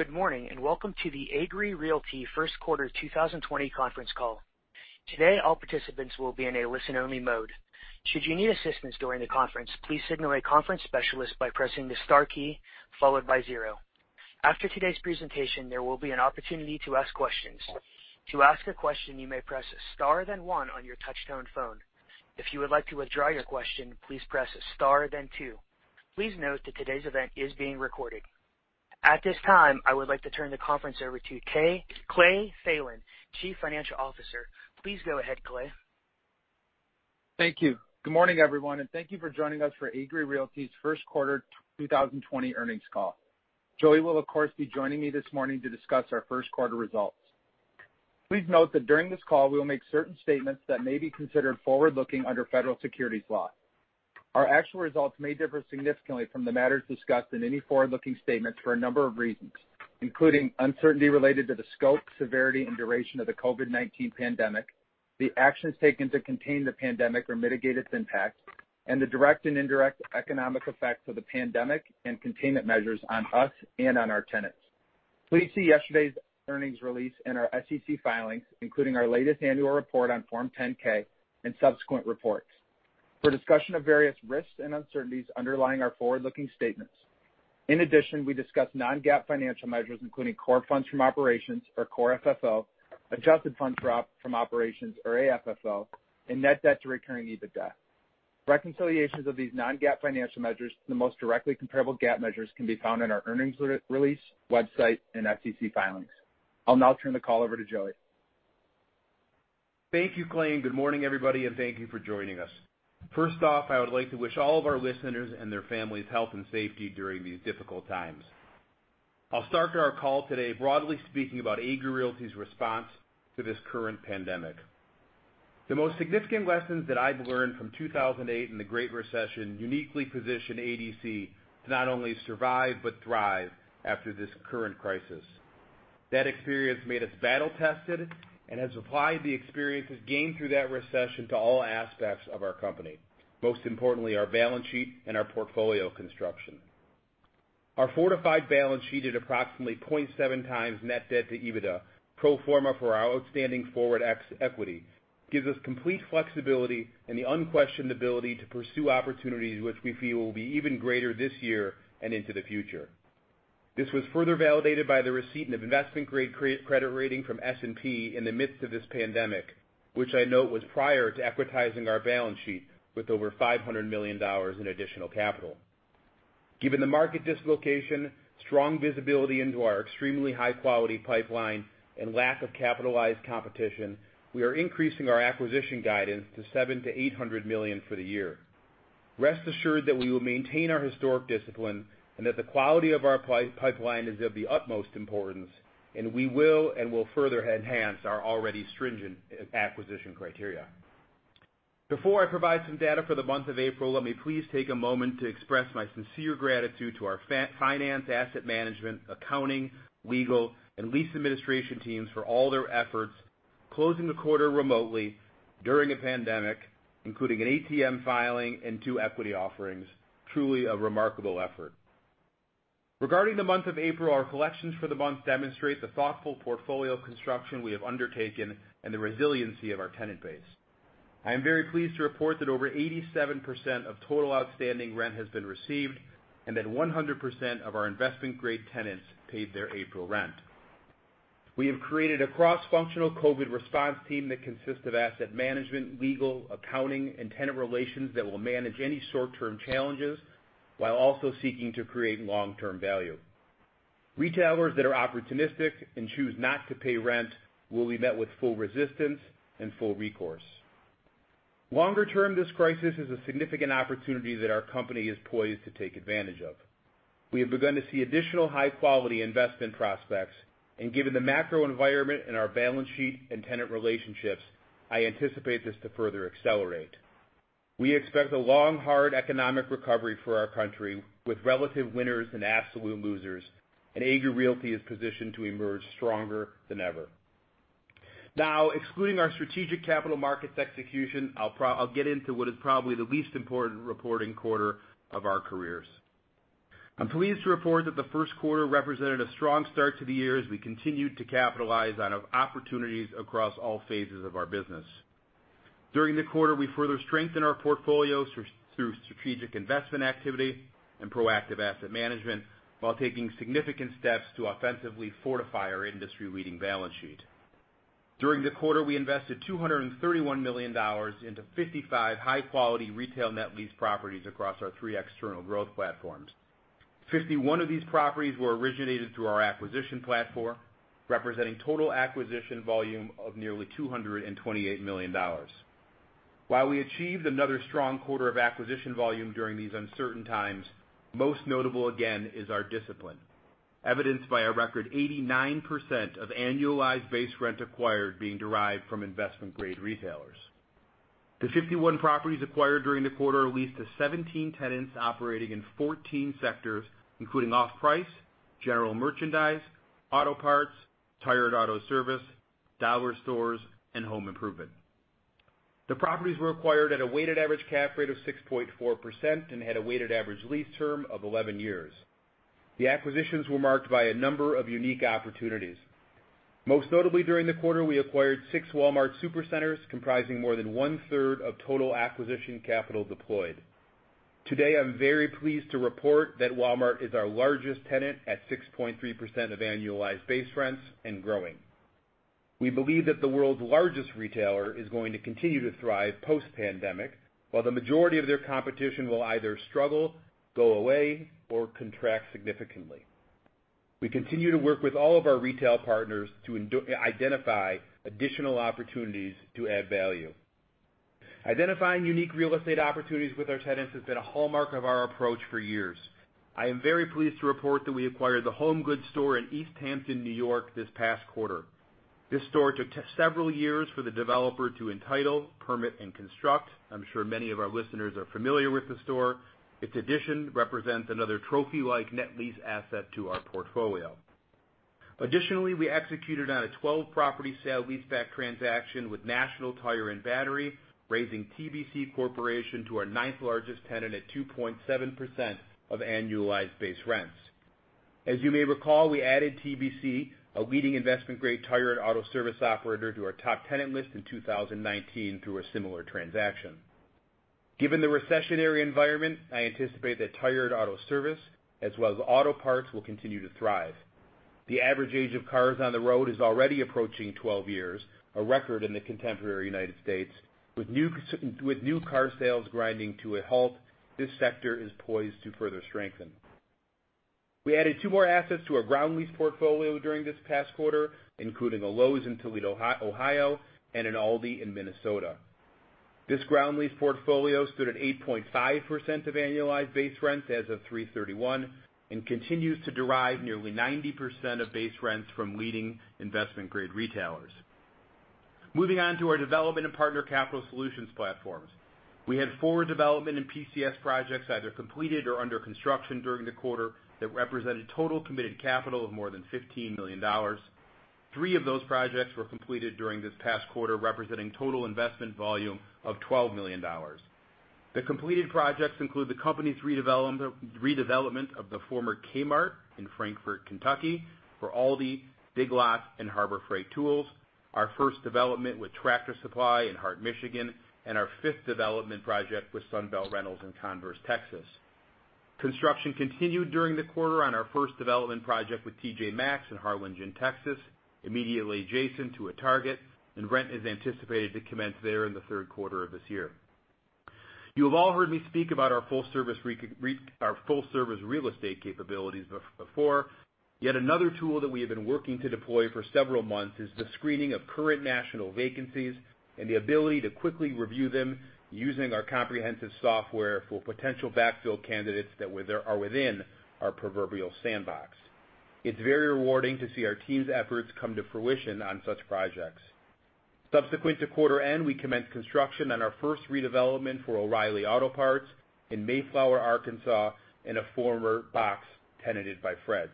Good morning, welcome to the Agree Realty first quarter 2020 conference call. Today, all participants will be in a listen-only mode. Should you need assistance during the conference, please signal a conference specialist by pressing the star key, followed by zero. After today's presentation, there will be an opportunity to ask questions. To ask a question, you may press star then one on your touchtone phone. If you would like to withdraw your question, please press star then two. Please note that today's event is being recorded. At this time, I would like to turn the conference over to Clay Thelen, Chief Financial Officer. Please go ahead, Clay. Thank you. Good morning, everyone, and thank you for joining us for Agree Realty's first quarter 2020 earnings call. Joey will, of course, be joining me this morning to discuss our first quarter results. Please note that during this call, we will make certain statements that may be considered forward-looking under federal securities law. Our actual results may differ significantly from the matters discussed in any forward-looking statements for a number of reasons, including uncertainty related to the scope, severity, and duration of the COVID-19 pandemic, the actions taken to contain the pandemic or mitigate its impact, and the direct and indirect economic effects of the pandemic and containment measures on us and on our tenants. Please see yesterday's earnings release in our SEC filings, including our latest annual report on Form 10-K and subsequent reports for discussion of various risks and uncertainties underlying our forward-looking statements. In addition, we discuss non-GAAP financial measures, including Core Funds From Operations or Core FFO, Adjusted Funds From Operations or AFFO, and net debt to recurring EBITDA. Reconciliations of these non-GAAP financial measures to the most directly comparable GAAP measures can be found in our earnings release, website, and SEC filings. I'll now turn the call over to Joey. Thank you, Clay, good morning, everybody, and thank you for joining us. First off, I would like to wish all of our listeners and their families health and safety during these difficult times. I'll start our call today broadly speaking about Agree Realty's response to this current pandemic. The most significant lessons that I've learned from 2008 and the Great Recession uniquely position ADC to not only survive but thrive after this current crisis. That experience made us battle-tested and has applied the experiences gained through that recession to all aspects of our company, most importantly, our balance sheet and our portfolio construction. Our fortified balance sheet at approximately 0.7x net debt to EBITDA pro forma for our outstanding forward equity gives us complete flexibility and the unquestioned ability to pursue opportunities which we feel will be even greater this year and into the future. This was further validated by the receipt of investment-grade credit rating from S&P in the midst of this pandemic, which I know was prior to equitizing our balance sheet with over $500 million in additional capital. Given the market dislocation, strong visibility into our extremely high-quality pipeline, and lack of capitalized competition, we are increasing our acquisition guidance to $700 million-$800 million for the year. Rest assured that we will maintain our historic discipline and that the quality of our pipeline is of the utmost importance, and we will further enhance our already stringent acquisition criteria. Before I provide some data for the month of April, let me please take a moment to express my sincere gratitude to our finance, asset management, accounting, legal, and lease administration teams for all their efforts, closing the quarter remotely during a pandemic, including an ATM filing and two equity offerings. Truly a remarkable effort. Regarding the month of April, our collections for the month demonstrate the thoughtful portfolio construction we have undertaken and the resiliency of our tenant base. I am very pleased to report that over 87% of total outstanding rent has been received and that 100% of our investment-grade tenants paid their April rent. We have created a cross-functional COVID response team that consists of asset management, legal, accounting, and tenant relations that will manage any short-term challenges while also seeking to create long-term value. Retailers that are opportunistic and choose not to pay rent will be met with full resistance and full recourse. Longer term, this crisis is a significant opportunity that our company is poised to take advantage of. We have begun to see additional high-quality investment prospects, and given the macro environment and our balance sheet and tenant relationships, I anticipate this to further accelerate. We expect a long, hard economic recovery for our country with relative winners and absolute losers. Agree Realty is positioned to emerge stronger than ever. Excluding our strategic capital markets execution, I'll get into what is probably the least important reporting quarter of our careers. I'm pleased to report that the first quarter represented a strong start to the year as we continued to capitalize on opportunities across all phases of our business. During the quarter, we further strengthened our portfolio through strategic investment activity and proactive asset management while taking significant steps to offensively fortify our industry-leading balance sheet. During the quarter, we invested $231 million into 55 high-quality retail net lease properties across our three external growth platforms. 51 of these properties were originated through our acquisition platform, representing total acquisition volume of nearly $228 million. While we achieved another strong quarter of acquisition volume during these uncertain times, most notable again is our discipline, evidenced by a record 89% of annualized base rent acquired being derived from investment-grade retailers. The 51 properties acquired during the quarter are leased to 17 tenants operating in 14 sectors, including off-price, general merchandise, auto parts, tire and auto service, dollar stores, and home improvement. The properties were acquired at a weighted average cap rate of 6.4% and had a weighted average lease term of 11 years. The acquisitions were marked by a number of unique opportunities. Most notably during the quarter, we acquired six Walmart Supercenters comprising more than 1/3 of total acquisition capital deployed. Today, I'm very pleased to report that Walmart is our largest tenant at 6.3% of annualized base rents and growing. We believe that the world's largest retailer is going to continue to thrive post-pandemic, while the majority of their competition will either struggle, go away, or contract significantly. We continue to work with all of our retail partners to identify additional opportunities to add value. Identifying unique real estate opportunities with our tenants has been a hallmark of our approach for years. I am very pleased to report that we acquired the HomeGoods store in East Hampton, New York, this past quarter. This store took several years for the developer to entitle, permit, and construct. I'm sure many of our listeners are familiar with the store. Its addition represents another trophy-like net lease asset to our portfolio. Additionally, we executed on a 12-property sale-leaseback transaction with National Tire and Battery, raising TBC Corporation to our ninth-largest tenant at 2.7% of annualized base rents. As you may recall, we added TBC, a leading investment-grade tire and auto service operator, to our top tenant list in 2019 through a similar transaction. Given the recessionary environment, I anticipate that tire and auto service, as well as auto parts, will continue to thrive. The average age of cars on the road is already approaching 12 years, a record in the contemporary United States. With new car sales grinding to a halt, this sector is poised to further strengthen. We added two more assets to our ground lease portfolio during this past quarter, including a Lowe's in Toledo, Ohio, and an Aldi in Minnesota. This ground lease portfolio stood at 8.5% of annualized base rents as of 3/31 and continues to derive nearly 90% of base rents from leading investment-grade retailers. Moving on to our development and partner capital solutions platforms. We had four development and PCS projects either completed or under construction during the quarter that represented total committed capital of more than $15 million. Three of those projects were completed during this past quarter, representing total investment volume of $12 million. The completed projects include the company's redevelopment of the former Kmart in Frankfort, Kentucky, for Aldi, Big Lots, and Harbor Freight Tools, our first development with Tractor Supply in Hart, Michigan, and our fifth development project with Sunbelt Rentals in Converse, Texas. Construction continued during the quarter on our first development project with TJ Maxx in Harlingen, Texas, immediately adjacent to a Target, and rent is anticipated to commence there in the third quarter of this year. You have all heard me speak about our full-service real estate capabilities before. Yet another tool that we have been working to deploy for several months is the screening of current national vacancies and the ability to quickly review them using our comprehensive software for potential backfill candidates that are within our proverbial sandbox. It's very rewarding to see our team's efforts come to fruition on such projects. Subsequent to quarter end, we commenced construction on our first redevelopment for O'Reilly Auto Parts in Mayflower, Arkansas, in a former box tenanted by Fred's.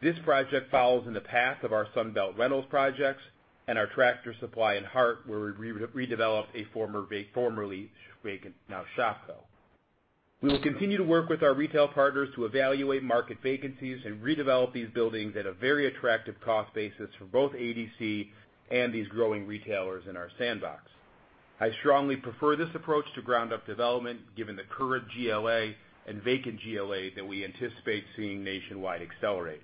This project follows in the path of our Sunbelt Rentals projects and our Tractor Supply in Hart, where we redeveloped a formerly vacant now Shopko. We will continue to work with our retail partners to evaluate market vacancies and redevelop these buildings at a very attractive cost basis for both ADC and these growing retailers in our sandbox. I strongly prefer this approach to ground-up development, given the current GLA and vacant GLA that we anticipate seeing nationwide accelerate.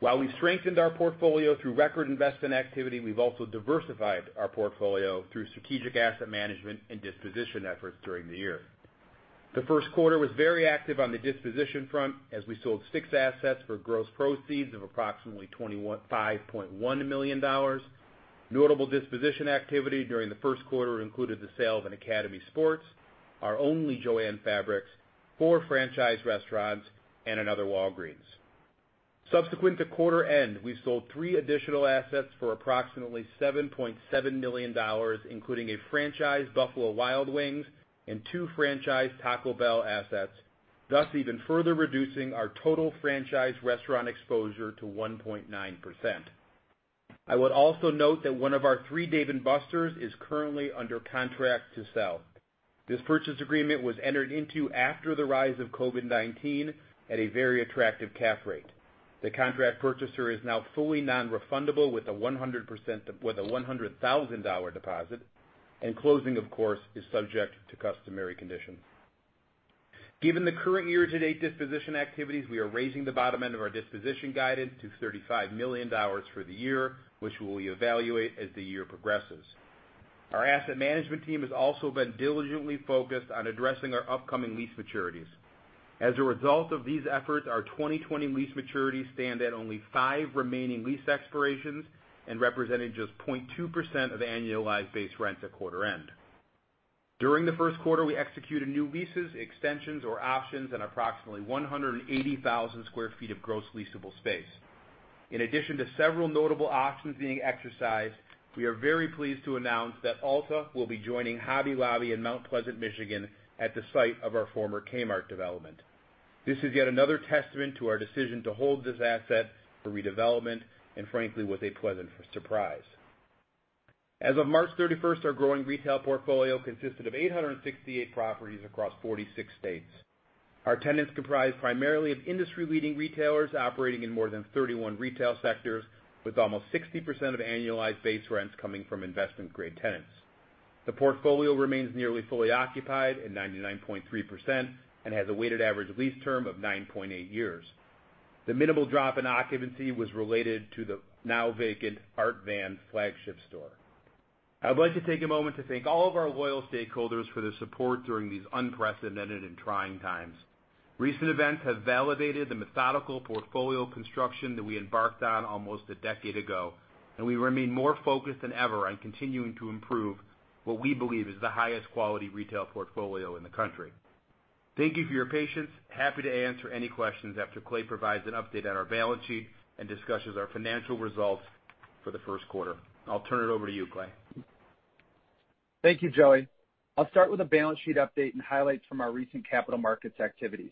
While we've strengthened our portfolio through record investment activity, we've also diversified our portfolio through strategic asset management and disposition efforts during the year. The first quarter was very active on the disposition front, as we sold six assets for gross proceeds of approximately $25.1 million. Notable disposition activity during the first quarter included the sale of an Academy Sports, our only JOANN, four franchise restaurants, and another Walgreens. Subsequent to quarter end, we sold three additional assets for approximately $7.7 million, including a franchise Buffalo Wild Wings and two franchise Taco Bell assets, thus even further reducing our total franchise restaurant exposure to 1.9%. I would also note that one of our three Dave & Buster's is currently under contract to sell. This purchase agreement was entered into after the rise of COVID-19 at a very attractive cap rate. The contract purchaser is now fully non-refundable with a $100,000 deposit, and closing, of course, is subject to customary conditions. Given the current year-to-date disposition activities, we are raising the bottom end of our disposition guidance to $35 million for the year, which we will evaluate as the year progresses. Our asset management team has also been diligently focused on addressing our upcoming lease maturities. As a result of these efforts, our 2020 lease maturities stand at only five remaining lease expirations and representing just 0.2% of annualized base rents at quarter end. During the first quarter, we executed new leases, extensions, or options on approximately 180,000 sq ft of gross leasable space. In addition to several notable options being exercised, we are very pleased to announce that Ulta will be joining Hobby Lobby in Mount Pleasant, Michigan, at the site of our former Kmart development. This is yet another testament to our decision to hold this asset for redevelopment, and frankly, was a pleasant surprise. As of March 31st, our growing retail portfolio consisted of 868 properties across 46 states. Our tenants comprise primarily of industry-leading retailers operating in more than 31 retail sectors, with almost 60% of annualized base rents coming from investment-grade tenants. The portfolio remains nearly fully occupied at 99.3% and has a weighted average lease term of 9.8 years. The minimal drop in occupancy was related to the now vacant Art Van flagship store. I would like to take a moment to thank all of our loyal stakeholders for their support during these unprecedented and trying times. Recent events have validated the methodical portfolio construction that we embarked on almost a decade ago, and we remain more focused than ever on continuing to improve what we believe is the highest quality retail portfolio in the country. Thank you for your patience. Happy to answer any questions after Clay provides an update on our balance sheet and discusses our financial results for the first quarter. I'll turn it over to you, Clay. Thank you, Joey. I'll start with a balance sheet update and highlights from our recent capital markets activities.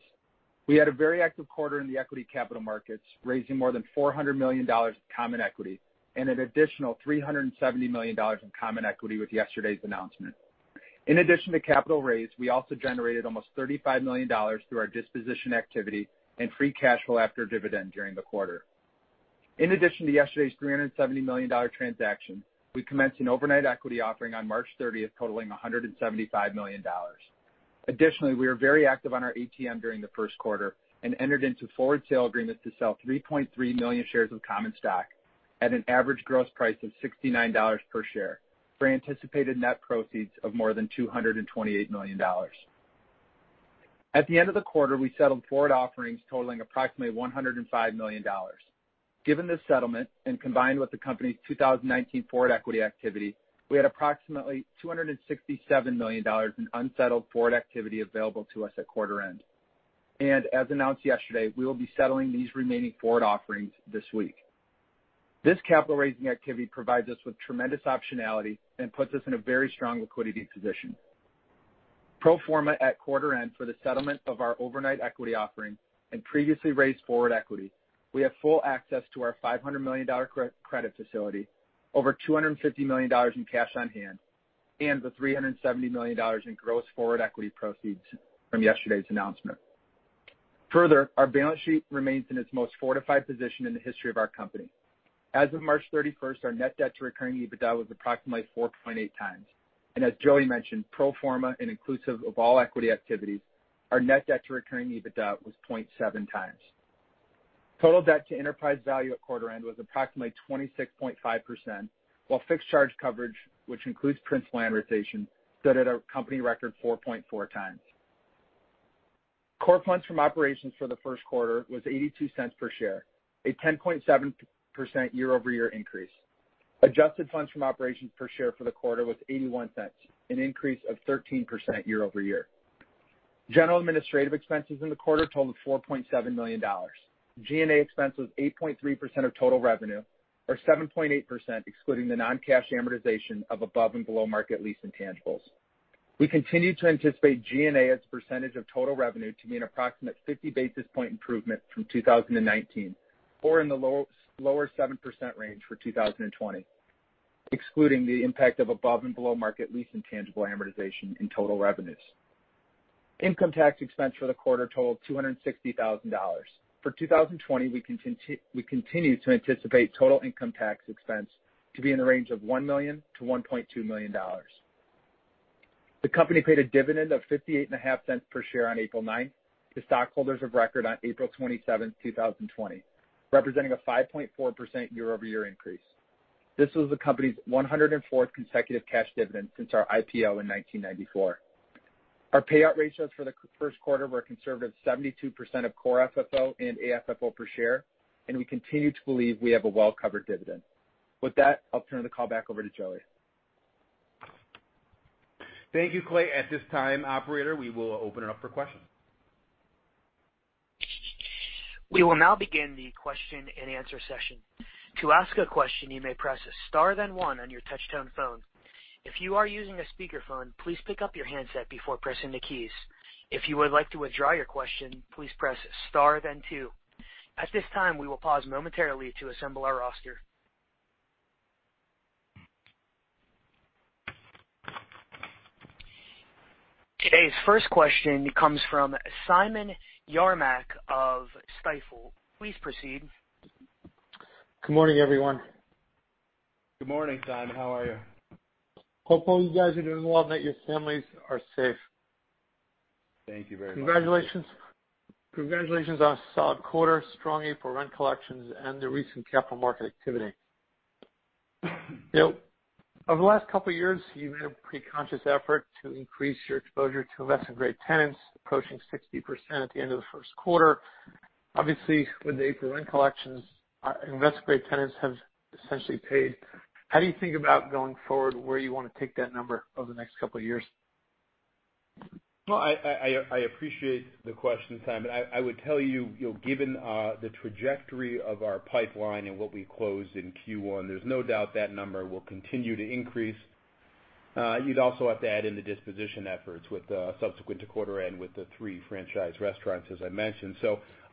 We had a very active quarter in the equity capital markets, raising more than $400 million of common equity and an additional $370 million in common equity with yesterday's announcement. In addition to capital raise, we also generated almost $35 million through our disposition activity and free cash flow after dividend during the quarter. In addition to yesterday's $370 million transaction, we commenced an overnight equity offering on March 30th, totaling $175 million. Additionally, we are very active on our ATM during the first quarter and entered into forward sale agreements to sell 3.3 million shares of common stock at an average gross price of $69 per share for anticipated net proceeds of more than $228 million. At the end of the quarter, we settled forward offerings totaling approximately $105 million. Given this settlement, combined with the company's 2019 forward equity activity, we had approximately $267 million in unsettled forward activity available to us at quarter end. As announced yesterday, we will be settling these remaining forward offerings this week. This capital raising activity provides us with tremendous optionality and puts us in a very strong liquidity position. Pro forma at quarter end for the settlement of our overnight equity offering and previously raised forward equity, we have full access to our $500 million credit facility, over $250 million in cash on hand, and the $370 million in gross forward equity proceeds from yesterday's announcement. Our balance sheet remains in its most fortified position in the history of our company. As of March 31st, our net debt to recurring EBITDA was approximately 4.8x, and as Joey mentioned, pro forma and inclusive of all equity activities, our net debt to recurring EBITDA was 0.7x. Total debt to enterprise value at quarter end was approximately 26.5%, while fixed charge coverage, which includes principal amortization, stood at a company record 4.4x. Core Funds From Operations for the first quarter was $0.82 per share, a 10.7% year-over-year increase. Adjusted Funds From Operations per share for the quarter was $0.81, an increase of 13% year-over-year. General Administrative Expenses in the quarter totaled $4.7 million. G&A expense was 8.3% of total revenue, or 7.8% excluding the non-cash amortization of above and below market lease intangibles. We continue to anticipate G&A as a percentage of total revenue to be an approximate 50 basis point improvement from 2019, or in the lower 7% range for 2020, excluding the impact of above and below market lease intangible amortization in total revenues. Income tax expense for the quarter totaled $260,000. For 2020, we continue to anticipate total income tax expense to be in the range of $1 million-$1.2 million. The company paid a dividend of $0.585 per share on April 9th to stockholders of record on April 27th, 2020, representing a 5.4% year-over-year increase. This was the company's 104th consecutive cash dividend since our IPO in 1994. Our payout ratios for the first quarter were a conservative 72% of Core FFO and AFFO per share, and we continue to believe we have a well-covered dividend. With that, I'll turn the call back over to Joey. Thank you, Clay. At this time, operator, we will open it up for questions. We will now begin the question and answer session. To ask a question, you may press star then one on your touchtone phone. If you are using a speakerphone, please pick up your handset before pressing the keys. If you would like to withdraw your question, please press star then two. At this time, we will pause momentarily to assemble our roster. Today's first question comes from Simon Yarmak of Stifel. Please proceed. Good morning, everyone. Good morning, Simon. How are you? Hope all you guys are doing well and that your families are safe. Thank you very much. Congratulations on a solid quarter, strong April rent collections, and the recent capital market activity. Over the last couple of years, you've made a pretty conscious effort to increase your exposure to investment-grade tenants, approaching 60% at the end of the first quarter. Obviously, with the April rent collections, investment-grade tenants have essentially paid. How do you think about going forward, where you want to take that number over the next couple of years? Well, I appreciate the question, Simon. I would tell you, given the trajectory of our pipeline and what we closed in Q1, there's no doubt that number will continue to increase. You'd also have to add in the disposition efforts subsequent to quarter end with the three franchise restaurants, as I mentioned.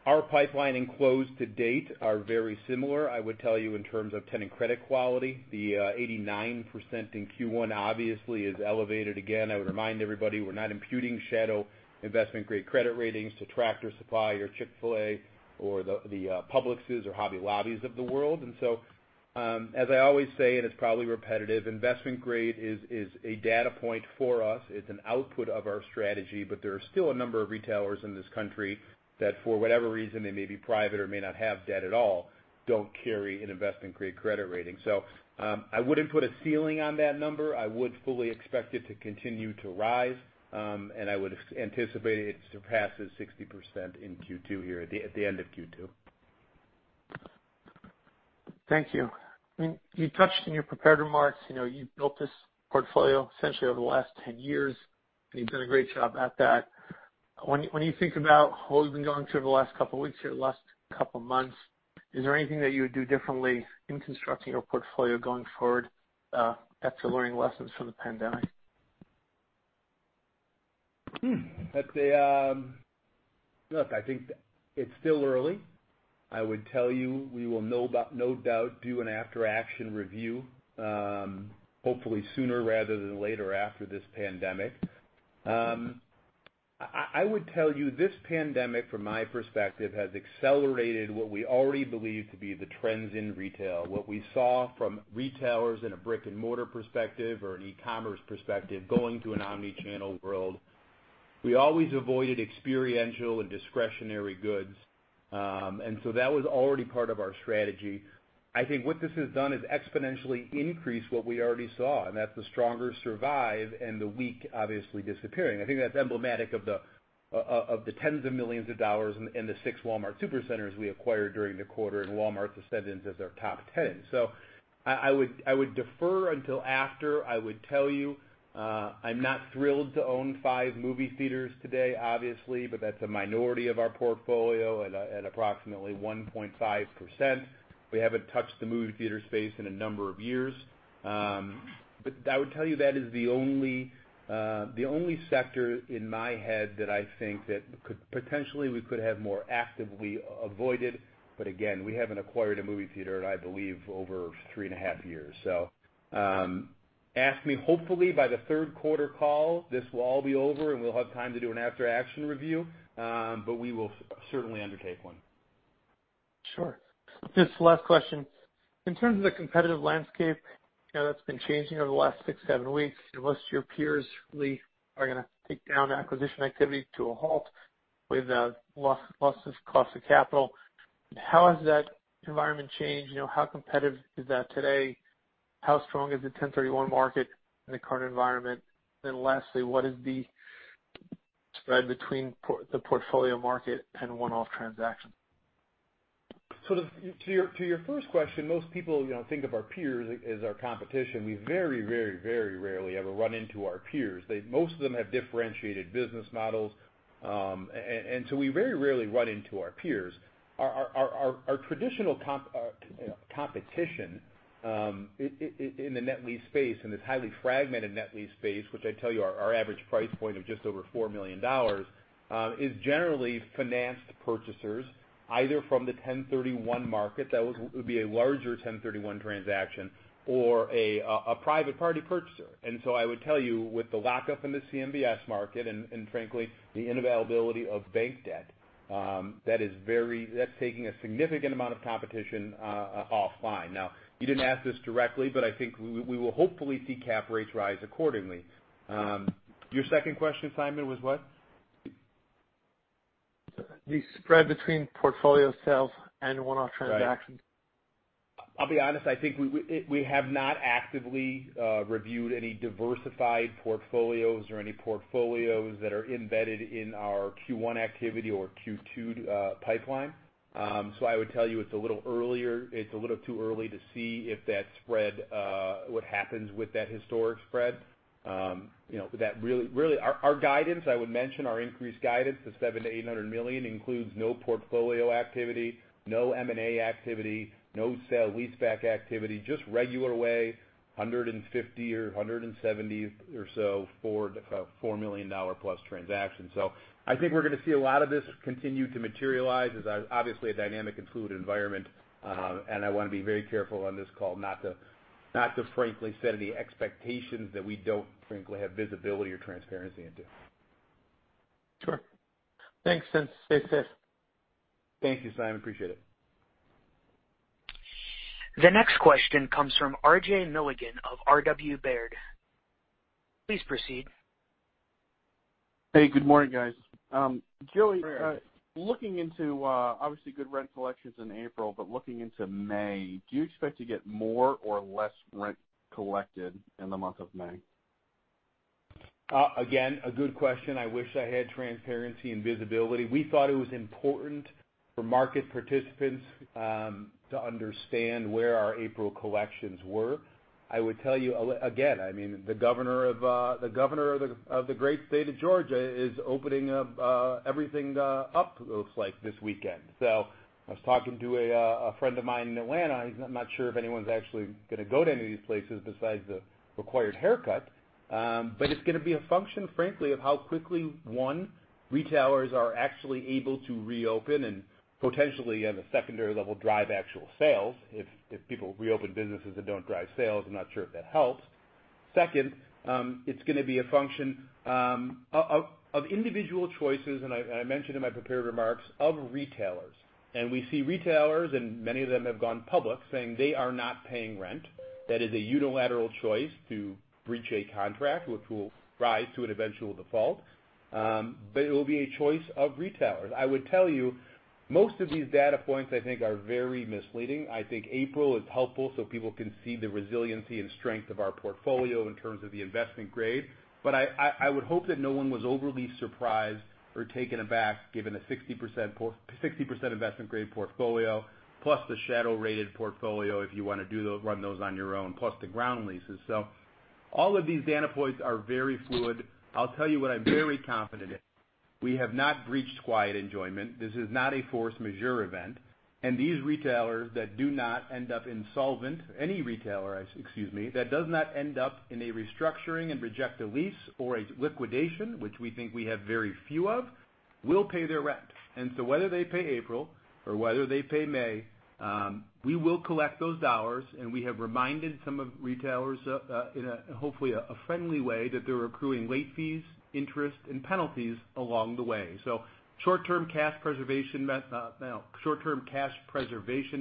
Our pipeline and close to date are very similar. I would tell you in terms of tenant credit quality, the 89% in Q1 obviously is elevated. Again, I would remind everybody we're not imputing shadow investment-grade credit ratings to Tractor Supply or Chick-fil-A or the Publix or Hobby Lobbies of the world. As I always say, and it's probably repetitive, investment-grade is a data point for us. It's an output of our strategy, but there are still a number of retailers in this country that, for whatever reason, they may be private or may not have debt at all, don't carry an investment-grade credit rating. I wouldn't put a ceiling on that number. I would fully expect it to continue to rise, and I would anticipate it surpasses 60% in Q2 here, at the end of Q2. Thank you. You touched in your prepared remarks, you've built this portfolio essentially over the last 10 years, and you've done a great job at that. When you think about all you've been going through the last couple of weeks here, last couple of months, is there anything that you would do differently in constructing your portfolio going forward after learning lessons from the pandemic? I think it's still early. I would tell you, we will no doubt do an after-action review, hopefully sooner rather than later after this pandemic. I would tell you, this pandemic, from my perspective, has accelerated what we already believe to be the trends in retail. What we saw from retailers in a brick-and-mortar perspective or an e-commerce perspective, going to an omni-channel world. We always avoided experiential and discretionary goods. That was already part of our strategy. I think what this has done is exponentially increase what we already saw, and that's the stronger survive and the weak obviously disappearing. I think that's emblematic of the tens of millions of dollars in the six Walmart Supercenters we acquired during the quarter, and Walmart's ascendance as our top 10. I would defer until after. I would tell you, I'm not thrilled to own five movie theaters today, obviously, but that's a minority of our portfolio at approximately 1.5%. We haven't touched the movie theater space in a number of years. I would tell you that is the only sector in my head that I think that potentially we could have more actively avoided. Again, we haven't acquired a movie theater in, I believe, over three and a half years. Ask me hopefully by the third quarter call, this will all be over, and we'll have time to do an after-action review. We will certainly undertake one. Sure. Just the last question. In terms of the competitive landscape, that's been changing over the last six, seven weeks. Most of your peers really are going to take down acquisition activity to a halt with the losses, cost of capital. How has that environment changed? How competitive is that today? How strong is the 1031 market in the current environment? Lastly, what is the spread between the portfolio market and one-off transactions? To your first question, most people think of our peers as our competition. We very rarely ever run into our peers. Most of them have differentiated business models, we very rarely run into our peers. Our traditional competition in the net lease space, in this highly fragmented net lease space, which I tell you, our average price point of just over $4 million, is generally financed purchasers, either from the 1031 market, that would be a larger 1031 transaction, or a private party purchaser. I would tell you, with the lockup in the CMBS market, and frankly, the inavailability of bank debt, that's taking a significant amount of competition offline. You didn't ask this directly, I think we will hopefully see cap rates rise accordingly. Your second question, Simon, was what? The spread between portfolio sales and one-off transactions. Right. I'll be honest, I think we have not actively reviewed any diversified portfolios or any portfolios that are embedded in our Q1 activity or Q2 pipeline. I would tell you it's a little too early to see what happens with that historic spread. Our guidance, I would mention our increased guidance to $700 million-$800 million includes no portfolio activity, no M&A activity, no sale-leaseback activity, just regular way, 150 or 170 or so for a $4 million+ transaction. I think we're going to see a lot of this continue to materialize as obviously a dynamic and fluid environment. I want to be very careful on this call not to frankly set any expectations that we don't frankly have visibility or transparency into. Sure. Thanks. Stay safe. Thank you, Simon. Appreciate it. The next question comes from RJ Milligan of RW Baird. Please proceed. Hey, good morning, guys. Good morning. Joey, looking into obviously good rent collections in April, but looking into May, do you expect to get more or less rent collected in the month of May? Again, a good question. I wish I had transparency and visibility. We thought it was important for market participants to understand where our April collections were. I would tell you again, the governor of the great state of Georgia is opening everything up, it looks like this weekend. I was talking to a friend of mine in Atlanta. He's not sure if anyone's actually going to go to any of these places besides the required haircut. It's going to be a function, frankly, of how quickly, one, retailers are actually able to reopen and potentially at a secondary level, drive actual sales. If people reopen businesses that don't drive sales, I'm not sure if that helps. Second, it's going to be a function of individual choices, and I mentioned in my prepared remarks, of retailers. We see retailers, and many of them have gone public, saying they are not paying rent. That is a unilateral choice to breach a contract, which will rise to an eventual default, but it will be a choice of retailers. I would tell you, most of these data points, I think, are very misleading. I think April is helpful so people can see the resiliency and strength of our portfolio in terms of the investment grade. I would hope that no one was overly surprised or taken aback given the 60% investment grade portfolio, plus the shadow-rated portfolio, if you want to run those on your own, plus the ground leases. All of these data points are very fluid. I'll tell you what I'm very confident in. We have not breached quiet enjoyment. This is not a force majeure event. These retailers that do not end up insolvent, any retailer, excuse me, that does not end up in a restructuring and reject a lease or a liquidation, which we think we have very few of, will pay their rent. Whether they pay April or whether they pay May, we will collect those dollars, and we have reminded some retailers, in hopefully a friendly way, that they're accruing late fees, interest, and penalties along the way. Short-term cash preservation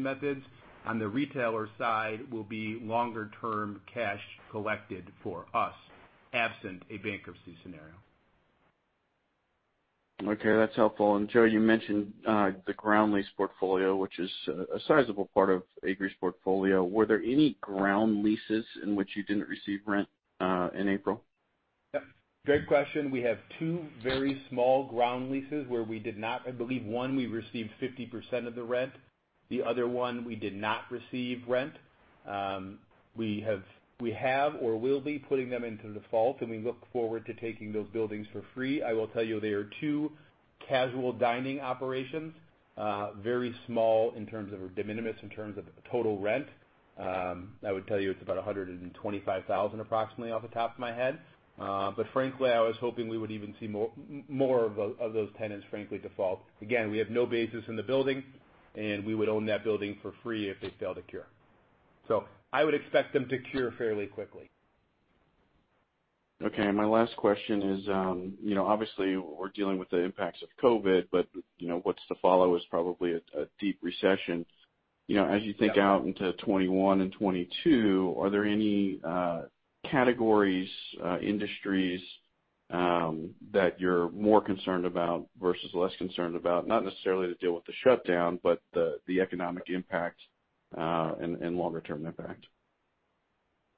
methods on the retailer side will be longer-term cash collected for us, absent a bankruptcy scenario. Okay. That's helpful. Joey, you mentioned the ground lease portfolio, which is a sizable part of Agree's portfolio. Were there any ground leases in which you didn't receive rent in April? Yep. Great question. We have two very small ground leases where I believe one we received 50% of the rent. The other one we did not receive rent. We have or will be putting them into default, and we look forward to taking those buildings for free. I will tell you, they are two casual dining operations. Very small in terms of de minimis in terms of total rent. I would tell you it's about $125,000 approximately, off the top of my head. Frankly, I was hoping we would even see more of those tenants frankly default. Again, we have no basis in the building, and we would own that building for free if they fail to cure. I would expect them to cure fairly quickly. Okay. My last question is, obviously we're dealing with the impacts of COVID-19, but what's to follow is probably a deep recession. As you think out into 2021 and 2022, are there any categories, industries that you're more concerned about versus less concerned about? Not necessarily to deal with the shutdown, but the economic impact, and longer-term impact.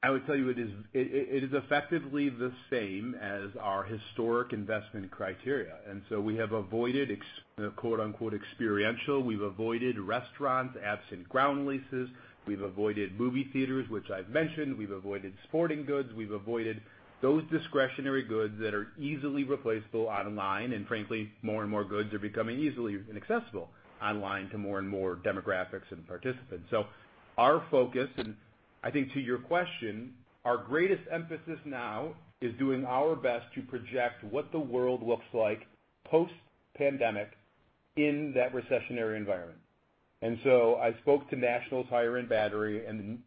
I would tell you it is effectively the same as our historic investment criteria. We have avoided quote unquote experiential. We've avoided restaurants, absent ground leases. We've avoided movie theaters, which I've mentioned. We've avoided sporting goods. We've avoided those discretionary goods that are easily replaceable online, and frankly, more and more goods are becoming easily inaccessible online to more and more demographics and participants. Our focus, and I think to your question, our greatest emphasis now is doing our best to project what the world looks like post-pandemic in that recessionary environment. I spoke to National Tire and Battery, and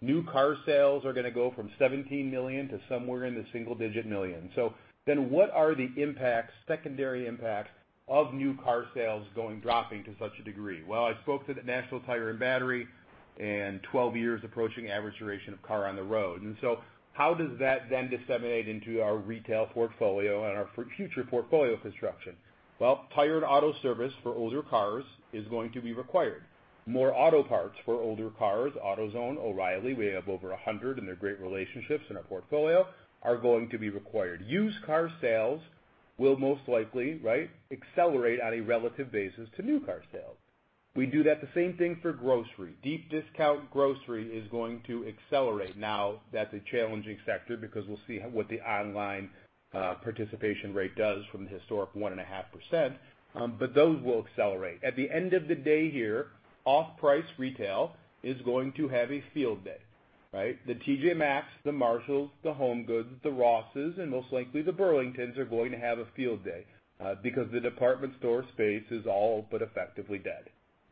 new car sales are going to go from 17 million to somewhere in the single-digit million. What are the impacts, secondary impacts of new car sales dropping to such a degree? I spoke to the National Tire and Battery, and 12 years approaching average duration of car on the road. How does that then disseminate into our retail portfolio and our future portfolio construction? Tire and auto service for older cars is going to be required. More auto parts for older cars. AutoZone, O'Reilly, we have over 100, and they're great relationships in our portfolio, are going to be required. Used car sales will most likely accelerate on a relative basis to new car sales. We do the same thing for grocery. Deep discount grocery is going to accelerate. That's a challenging sector because we'll see what the online participation rate does from the historic 1.5%. Those will accelerate. At the end of the day here, off-price retail is going to have a field day. The TJ Maxx, the Marshalls, the HomeGoods, the Ross, and most likely the Burlington are going to have a field day because the department store space is all but effectively dead.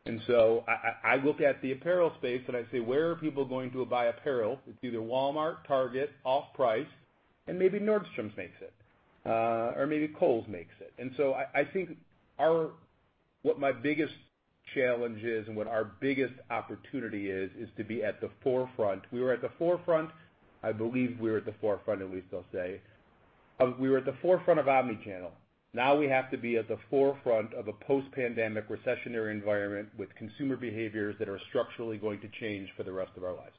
I look at the apparel space and I say, where are people going to buy apparel? It's either Walmart, Target, off-price, and maybe Nordstrom makes it. Maybe Kohl's makes it. I think what my biggest challenge is and what our biggest opportunity is to be at the forefront. We were at the forefront, I believe we are at the forefront, at least I'll say. We were at the forefront of omni-channel. Now we have to be at the forefront of a post-pandemic recessionary environment with consumer behaviors that are structurally going to change for the rest of our lives.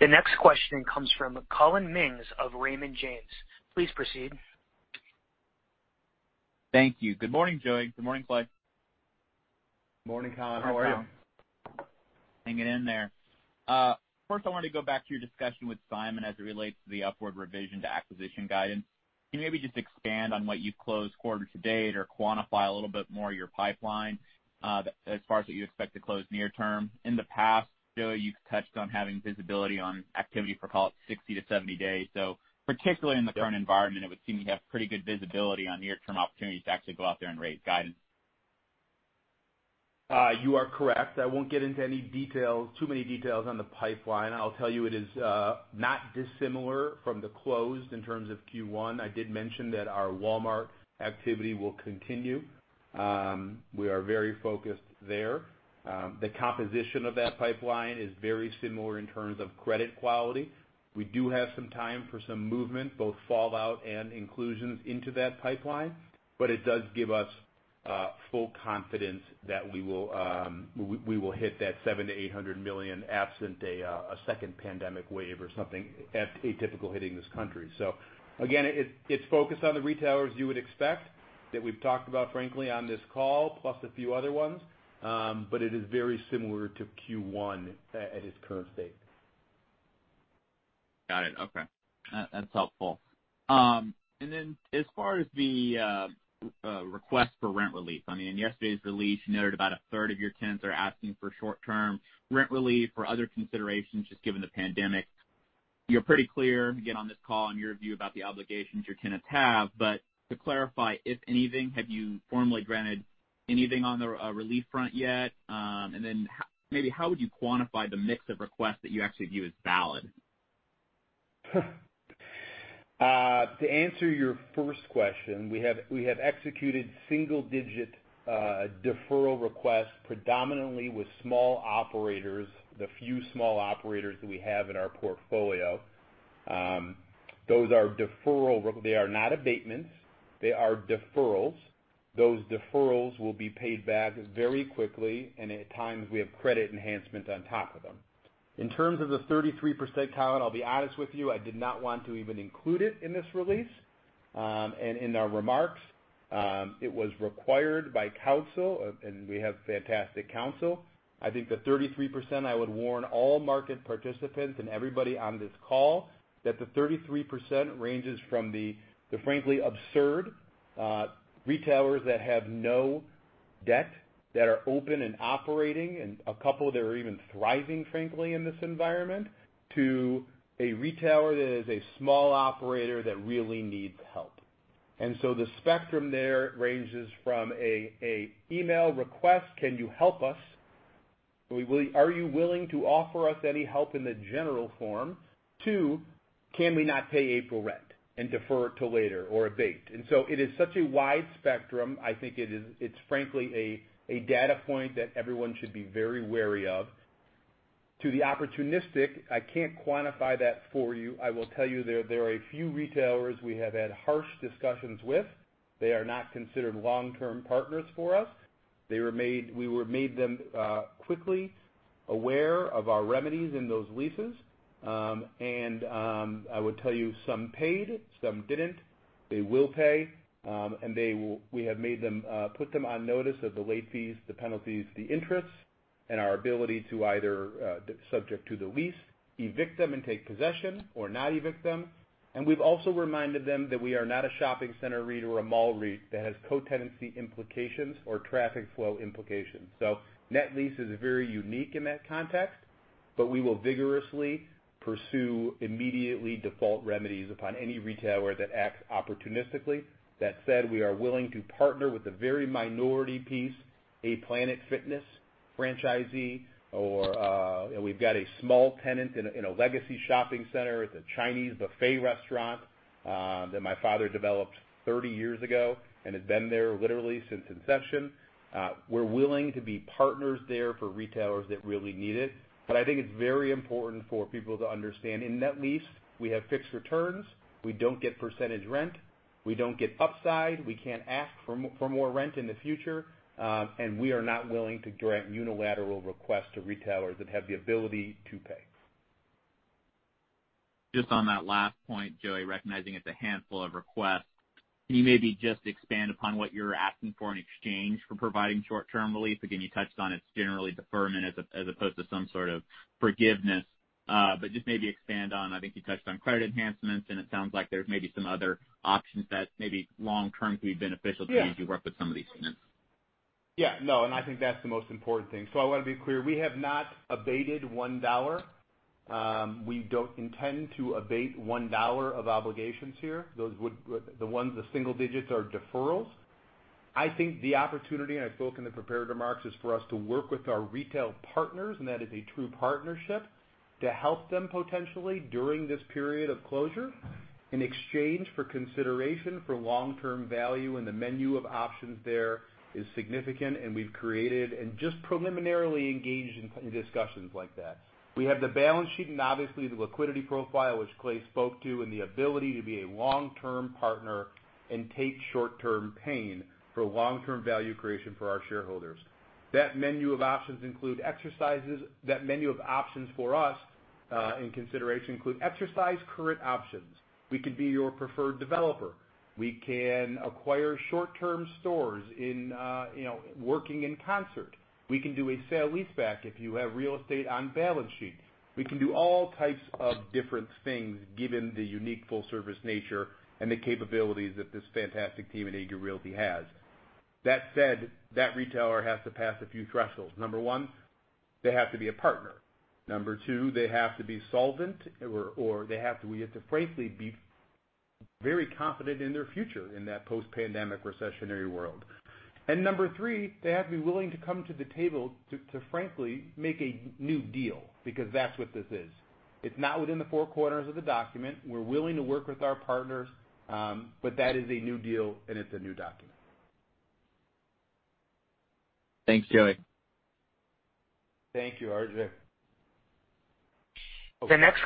The next question comes from Collin Mings of Raymond James. Please proceed. Thank you. Good morning, Joey. Good morning, Clay. Morning, Collin. How are you? Hanging in there. First I wanted to go back to your discussion with Simon as it relates to the upward revision to acquisition guidance. Can you maybe just expand on what you've closed quarter to date or quantify a little bit more your pipeline, as far as what you expect to close near term? In the past, Joey, you've touched on having visibility on activity for, call it, 60-70 days. Particularly in the current environment, it would seem you have pretty good visibility on near-term opportunities to actually go out there and raise guidance. You are correct. I won't get into too many details on the pipeline. I'll tell you it is not dissimilar from the closed in terms of Q1. I did mention that our Walmart activity will continue. We are very focused there. The composition of that pipeline is very similar in terms of credit quality. We do have some time for some movement, both fallout and inclusions into that pipeline, but it does give us full confidence that we will hit that $700 million-$800 million absent a second pandemic wave or something atypical hitting this country. Again, it's focused on the retailers you would expect, that we've talked about frankly on this call, plus a few other ones. It is very similar to Q1 at its current state. Got it. Okay. That's helpful. As far as the request for rent relief, I mean, in yesterday's release, you noted about a third of your tenants are asking for short-term rent relief or other considerations just given the pandemic. You're pretty clear, again, on this call on your view about the obligations your tenants have, but to clarify, if anything, have you formally granted anything on the relief front yet? Maybe how would you quantify the mix of requests that you actually view as valid? To answer your first question, we have executed single-digit deferral requests predominantly with small operators, the few small operators that we have in our portfolio. Those are deferral. They are not abatements. They are deferrals. Those deferrals will be paid back very quickly, and at times we have credit enhancement on top of them. In terms of the 33%, Collin, I'll be honest with you, I did not want to even include it in this release. In our remarks, it was required by counsel, and we have fantastic counsel. I think the 33%, I would warn all market participants and everybody on this call that the 33% ranges from the frankly absurd retailers that have no debt, that are open and operating, and a couple that are even thriving, frankly, in this environment, to a retailer that is a small operator that really needs help. The spectrum there ranges from an email request, "Can you help us? Are you willing to offer us any help in the general form?" To, "Can we not pay April rent and defer it till later or abate?" It is such a wide spectrum. I think it's frankly a data point that everyone should be very wary of. To the opportunistic, I can't quantify that for you. I will tell you there are a few retailers we have had harsh discussions with. They are not considered long-term partners for us. We made them quickly aware of our remedies in those leases. I would tell you some paid, some didn't. They will pay. We have put them on notice of the late fees, the penalties, the interests, and our ability to either, subject to the lease, evict them and take possession or not evict them. We've also reminded them that we are not a shopping center REIT or a mall REIT that has co-tenancy implications or traffic flow implications. Net lease is very unique in that context, but we will vigorously pursue immediate default remedies upon any retailer that acts opportunistically. That said, we are willing to partner with the very minority piece, a Planet Fitness franchisee, or we've got a small tenant in a legacy shopping center. It's a Chinese buffet restaurant that my father developed 30 years ago and has been there literally since inception. We're willing to be partners there for retailers that really need it, but I think it's very important for people to understand in net lease, we have fixed returns. We don't get percentage rent. We don't get upside. We can't ask for more rent in the future. We are not willing to grant unilateral requests to retailers that have the ability to pay. Just on that last point, Joey, recognizing it's a handful of requests, can you maybe just expand upon what you're asking for in exchange for providing short-term relief? You touched on it's generally deferment as opposed to some sort of forgiveness. Just maybe expand on, I think you touched on credit enhancements, and it sounds like there's maybe some other options that maybe long-term could be beneficial to you as you work with some of these tenants. Yeah. No, I think that's the most important thing. I want to be clear, we have not abated $1. We don't intend to abate $1 of obligations here. The single digits are deferrals. I think the opportunity, I spoke in the prepared remarks, is for us to work with our retail partners, that is a true partnership to help them potentially during this period of closure in exchange for consideration for long-term value, the menu of options there is significant, we've created and just preliminarily engaged in discussions like that. We have the balance sheet obviously the liquidity profile, which Clay spoke to, the ability to be a long-term partner and take short-term pain for long-term value creation for our shareholders. That menu of options for us in consideration include exercise current options. We could be your preferred developer. We can acquire short-term stores working in concert. We can do a sale-leaseback if you have real estate on balance sheet. We can do all types of different things given the unique full-service nature and the capabilities that this fantastic team at Agree Realty has. That said, that retailer has to pass a few thresholds. Number one, they have to be a partner. Number two, they have to be solvent or we have to frankly be very confident in their future in that post-pandemic recessionary world. Number three, they have to be willing to come to the table to frankly, make a new deal, because that's what this is. It's not within the four corners of the document. We're willing to work with our partners. That is a new deal and it's a new document. Thanks, Joey. Thank you, Collin. The next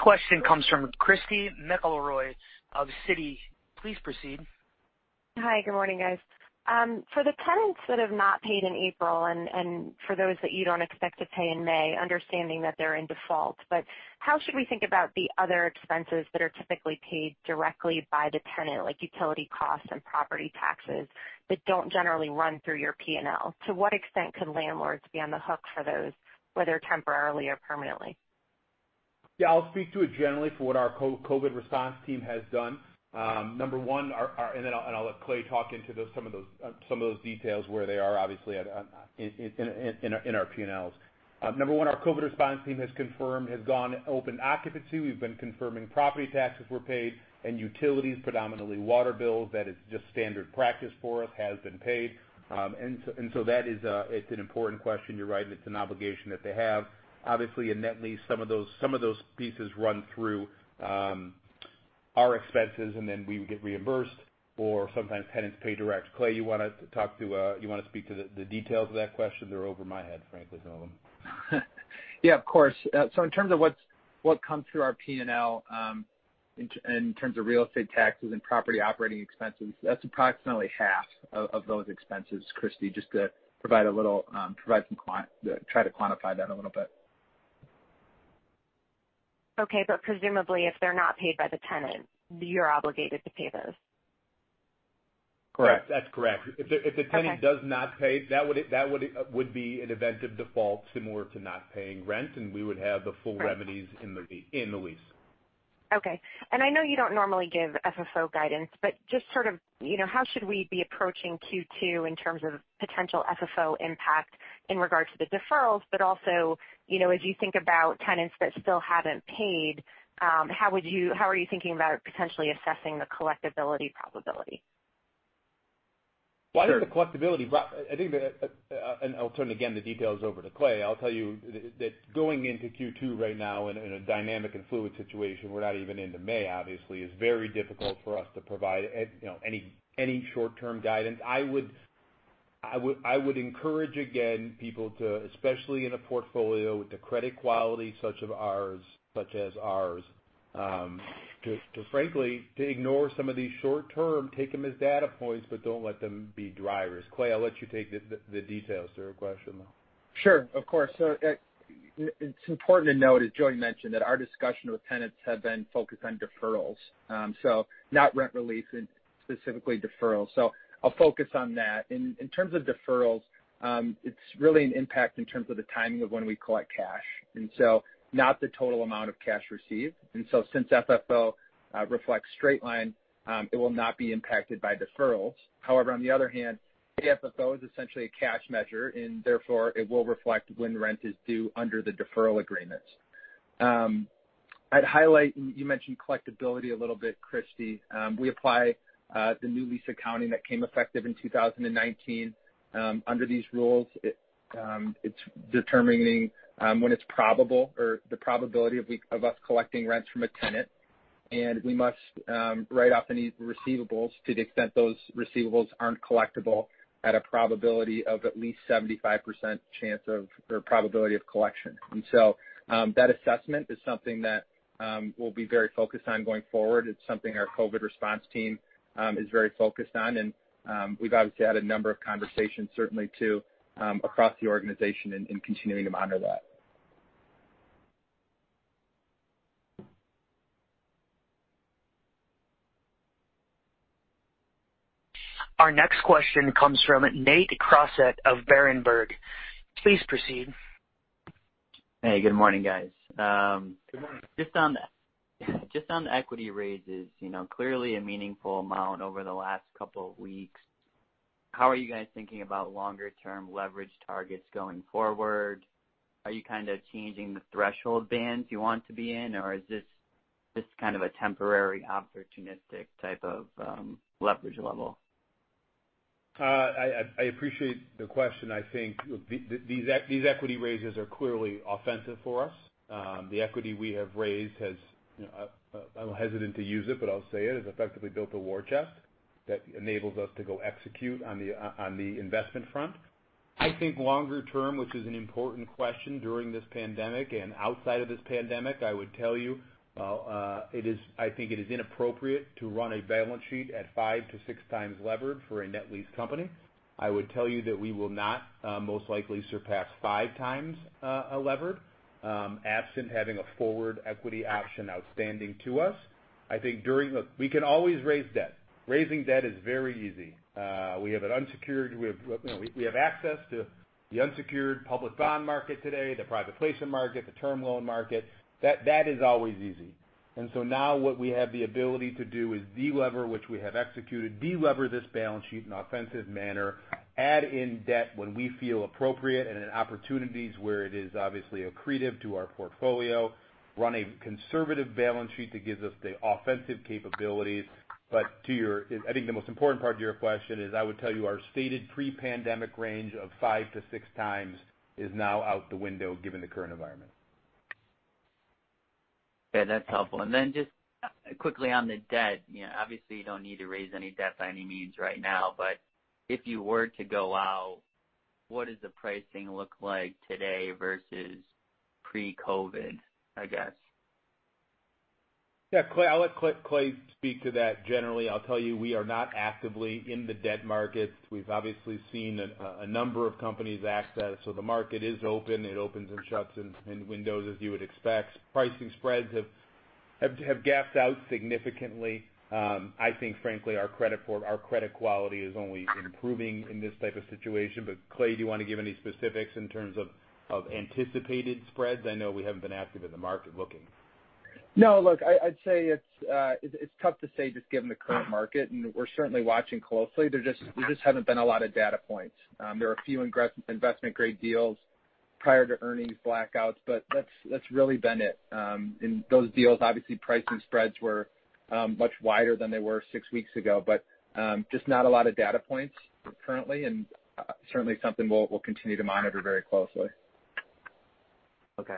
question comes from Christy McElroy of Citi. Please proceed. Hi. Good morning, guys. For the tenants that have not paid in April and for those that you don't expect to pay in May, understanding that they're in default, how should we think about the other expenses that are typically paid directly by the tenant, like utility costs and property taxes, that don't generally run through your P&L? To what extent could landlords be on the hook for those, whether temporarily or permanently? Yeah, I'll speak to it generally for what our COVID response team has done. Then I'll let Clay talk into some of those details where they are obviously in our P&Ls. Number one, our COVID response team has confirmed has gone open occupancy. We've been confirming property taxes were paid and utilities, predominantly water bills, that is just standard practice for us, has been paid. So it's an important question, you're right, and it's an obligation that they have. Obviously in net lease some of those pieces run through our expenses and then we would get reimbursed or sometimes tenants pay direct. Clay, you want to speak to the details of that question? They're over my head, frankly, some of them. Yeah, of course. In terms of what's come through our P&L, in terms of real estate taxes and property operating expenses, that's approximately half of those expenses, Christy, just to try to quantify that a little bit. Okay. Presumably, if they're not paid by the tenant, you're obligated to pay those. Correct. That's correct. Okay. If the tenant does not pay, that would be an event of default similar to not paying rent, and we would have the full remedies. Right in the lease. Okay. I know you don't normally give FFO guidance, but just sort of how should we be approaching Q2 in terms of potential FFO impact in regards to the deferrals, but also as you think about tenants that still haven't paid, how are you thinking about potentially assessing the collectibility probability? I'll turn again the details over to Clay. I'll tell you that going into Q2 right now in a dynamic and fluid situation, we're not even into May, obviously, it's very difficult for us to provide any short-term guidance. I would encourage, again, people to, especially in a portfolio with the credit quality such as ours, to frankly, to ignore some of these short term, take them as data points, but don't let them be drivers. Clay, I'll let you take the details to her question, though. Sure, of course. It's important to note, as Joey mentioned, that our discussion with tenants have been focused on deferrals, not rent relief, and specifically deferrals. I'll focus on that. In terms of deferrals, it's really an impact in terms of the timing of when we collect cash. Not the total amount of cash received. Since FFO reflects straight line, it will not be impacted by deferrals. However, on the other hand, AFFO is essentially a cash measure, and therefore it will reflect when rent is due under the deferral agreements. I'd highlight, you mentioned collectibility a little bit, Christy. We apply the new lease accounting that came effective in 2019. Under these rules, it's determining when it's probable or the probability of us collecting rents from a tenant, and we must write off any receivables to the extent those receivables aren't collectible at a probability of at least 75% chance or probability of collection. That assessment is something that we'll be very focused on going forward. It's something our COVID response team is very focused on, and we've obviously had a number of conversations certainly too across the organization in continuing to monitor that. Our next question comes from Nate Crossett of Berenberg. Please proceed. Hey, good morning, guys. Good morning. Just on the equity raises, clearly a meaningful amount over the last couple of weeks. How are you guys thinking about longer-term leverage targets going forward? Are you kind of changing the threshold bands you want to be in, or is this kind of a temporary opportunistic type of leverage level? I appreciate the question. I think these equity raises are clearly offensive for us. The equity we have raised has, I'm hesitant to use it, but I'll say it, has effectively built a war chest that enables us to go execute on the investment front. I think longer term, which is an important question during this pandemic and outside of this pandemic, I would tell you I think it is inappropriate to run a balance sheet at five to six times levered for a net lease company. I would tell you that we will not most likely surpass five times levered absent having a forward equity option outstanding to us. Look, we can always raise debt. Raising debt is very easy. We have access to the unsecured public bond market today, the private placement market, the term loan market. That is always easy. Now what we have the ability to do is delever, which we have executed, delever this balance sheet in an offensive manner, add in debt when we feel appropriate and in opportunities where it is obviously accretive to our portfolio, run a conservative balance sheet that gives us the offensive capabilities. I think the most important part of your question is, I would tell you our stated pre-pandemic range of 5x to 6x is now out the window given the current environment. Okay, that's helpful. Just quickly on the debt. Obviously, you don't need to raise any debt by any means right now, but if you were to go out, what does the pricing look like today versus pre-COVID, I guess? Yeah. Clay. I'll let Clay speak to that. Generally, I'll tell you, we are not actively in the debt market. We've obviously seen a number of companies access, so the market is open. It opens and shuts in windows as you would expect. Pricing spreads have gapped out significantly. I think, frankly, our credit quality is only improving in this type of situation. Clay, do you want to give any specifics in terms of anticipated spreads? I know we haven't been active in the market looking. No, look, I'd say it's tough to say, just given the current market, and we're certainly watching closely. There just haven't been a lot of data points. There were a few investment-grade deals prior to earnings blackouts, but that's really been it. In those deals, obviously, pricing spreads were much wider than they were six weeks ago. Just not a lot of data points currently, and certainly something we'll continue to monitor very closely. Okay.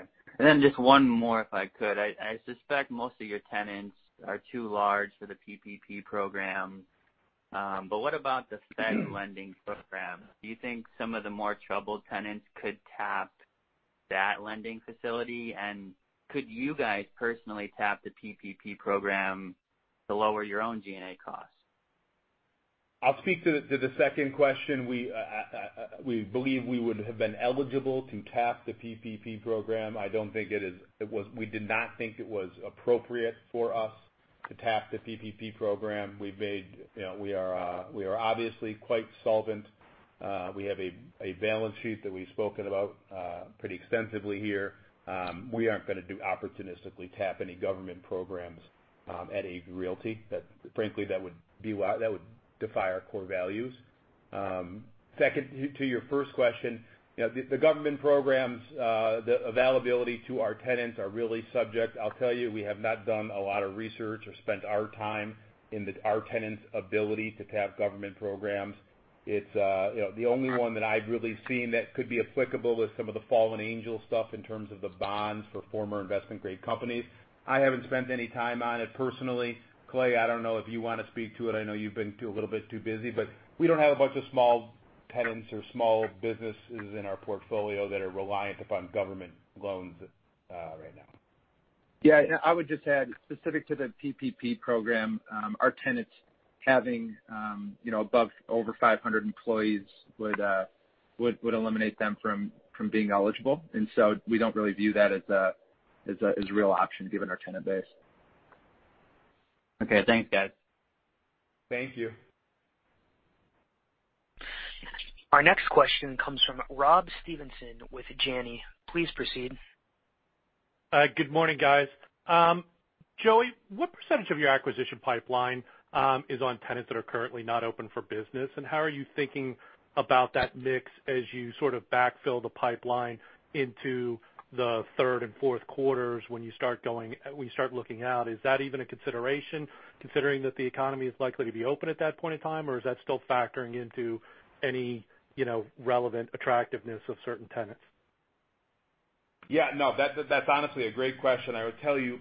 Just one more, if I could. I suspect most of your tenants are too large for the PPP program. What about the Fed lending program? Do you think some of the more troubled tenants could tap that lending facility? Could you guys personally tap the PPP program to lower your own G&A costs? I'll speak to the second question. We believe we would have been eligible to tap the PPP program. We did not think it was appropriate for us to tap the PPP program. We are obviously quite solvent. We have a balance sheet that we've spoken about pretty extensively here. We aren't going to opportunistically tap any government programs at Agree Realty. Frankly, that would defy our core values. Second to your first question, the government programs, the availability to our tenants are really subject. I'll tell you, we have not done a lot of research or spent our time in our tenants' ability to tap government programs. The only one that I've really seen that could be applicable is some of the fallen angel stuff in terms of the bonds for former investment-grade companies. I haven't spent any time on it personally. Clay, I don't know if you want to speak to it. I know you've been a little bit too busy, but we don't have a bunch of small tenants or small businesses in our portfolio that are reliant upon government loans right now. Yeah, I would just add specific to the PPP program. Our tenants having over 500 employees would eliminate them from being eligible. We don't really view that as a real option given our tenant base. Okay. Thanks, guys. Thank you. Our next question comes from Rob Stevenson with Janney. Please proceed. Good morning, guys. Joey, what percent of your acquisition pipeline is on tenants that are currently not open for business? How are you thinking about that mix as you sort of backfill the pipeline into the third and fourth quarters when you start looking out? Is that even a consideration, considering that the economy is likely to be open at that point in time, or is that still factoring into any relevant attractiveness of certain tenants? No, that's honestly a great question. I would tell you,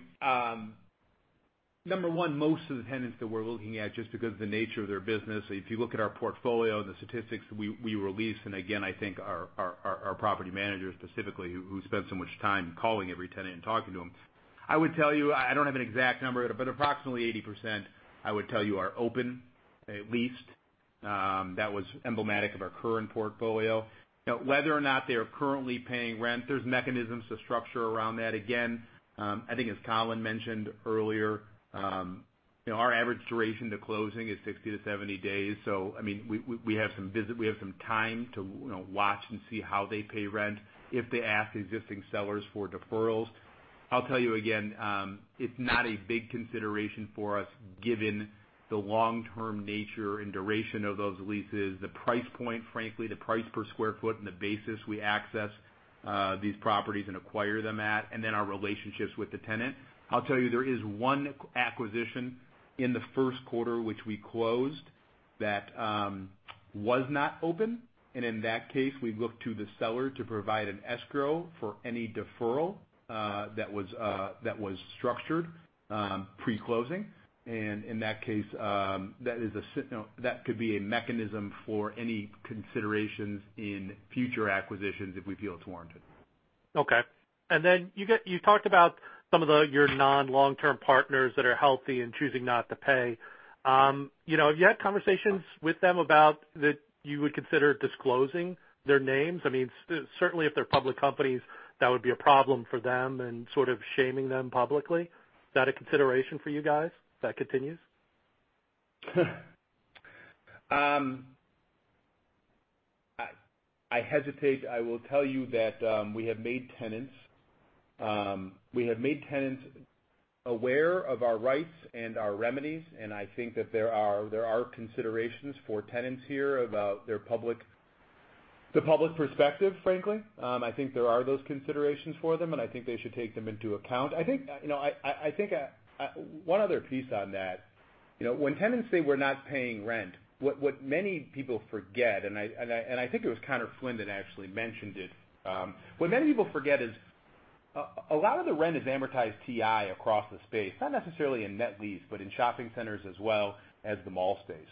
number one, most of the tenants that we're looking at, just because of the nature of their business, if you look at our portfolio and the statistics we release, and again, I think our property managers specifically who spend so much time calling every tenant and talking to them. I would tell you, I don't have an exact number, but approximately 80%, I would tell you, are open, leased. That was emblematic of our current portfolio. Whether or not they are currently paying rent, there's mechanisms to structure around that. Again, I think as Collin mentioned earlier, our average duration to closing is 60-70 days. We have some time to watch and see how they pay rent if they ask existing sellers for deferrals. I'll tell you again, it's not a big consideration for us given the long-term nature and duration of those leases. The price point, frankly, the price per square foot and the basis we access these properties and acquire them at, then our relationships with the tenant. I'll tell you, there is one acquisition in the first quarter which we closed that was not open, in that case, we looked to the seller to provide an escrow for any deferral that was structured pre-closing. In that case, that could be a mechanism for any considerations in future acquisitions if we feel it's warranted. Okay. Then you talked about some of your non-long-term partners that are healthy and choosing not to pay. Have you had conversations with them about that you would consider disclosing their names? I mean, certainly if they're public companies, that would be a problem for them and sort of shaming them publicly. Is that a consideration for you guys as that continues? I hesitate. I will tell you that we have made tenants aware of our rights and our remedies. I think that there are considerations for tenants here about the public perspective, frankly. I think there are those considerations for them. I think they should take them into account. One other piece on that, when tenants say we're not paying rent, what many people forget. I think it was Conor Flynn that actually mentioned it. What many people forget is a lot of the rent is amortized TI across the space, not necessarily in net lease, but in shopping centers as well as the mall space.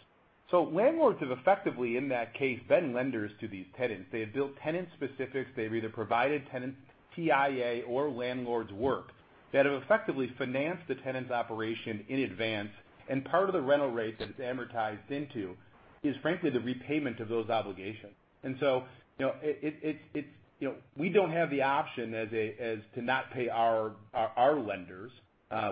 Landlords have effectively, in that case, been lenders to these tenants. They have built tenant specifics. They've either provided tenants TIA or landlords work that have effectively financed the tenant's operation in advance, and part of the rental rate that it's amortized into is frankly the repayment of those obligations. We don't have the option as to not pay our lenders.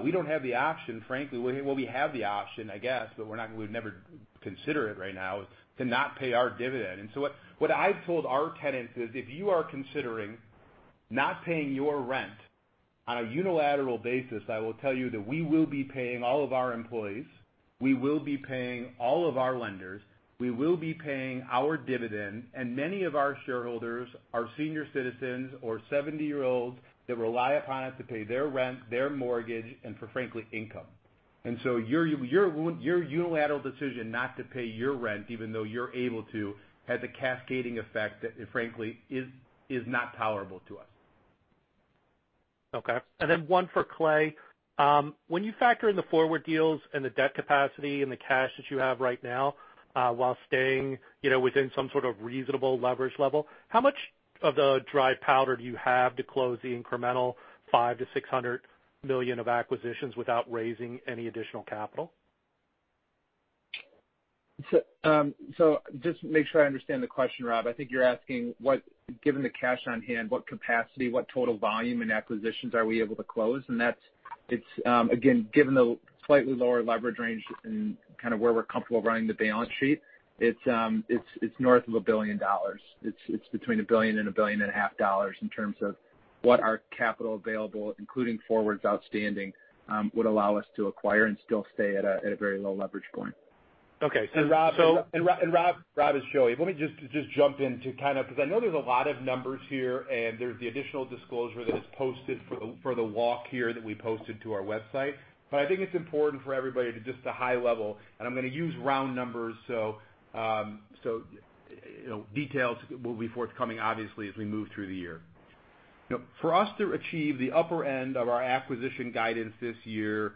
We don't have the option, frankly, well, we have the option, I guess, but we'd never consider it right now, is to not pay our dividend. What I've told our tenants is, if you are considering not paying your rent on a unilateral basis, I will tell you that we will be paying all of our employees, we will be paying all of our lenders, we will be paying our dividend, and many of our shareholders are senior citizens or 70-year-olds that rely upon us to pay their rent, their mortgage, and for, frankly, income. Your unilateral decision not to pay your rent, even though you're able to, has a cascading effect that, frankly, is not tolerable to us. Okay. One for Clay. When you factor in the forward deals and the debt capacity and the cash that you have right now, while staying within some sort of reasonable leverage level, how much of the dry powder do you have to close the incremental $5 million-$600 million of acquisitions without raising any additional capital? Just to make sure I understand the question, Rob, I think you're asking, given the cash on hand, what capacity, what total volume in acquisitions are we able to close? That's, again, given the slightly lower leverage range and kind of where we're comfortable running the balance sheet, it's north of $1 billion. It's between $1 billion and a billion and a half dollars in terms of what our capital available, including forwards outstanding, would allow us to acquire and still stay at a very low leverage point. Okay. Rob, is Joey, let me just jump in. because I know there's a lot of numbers here, and there's the additional disclosure that is posted for the walk here that we posted to our website. I think it's important for everybody to just to high level, and I'm going to use round numbers, so details will be forthcoming, obviously, as we move through the year. For us to achieve the upper end of our acquisition guidance this year,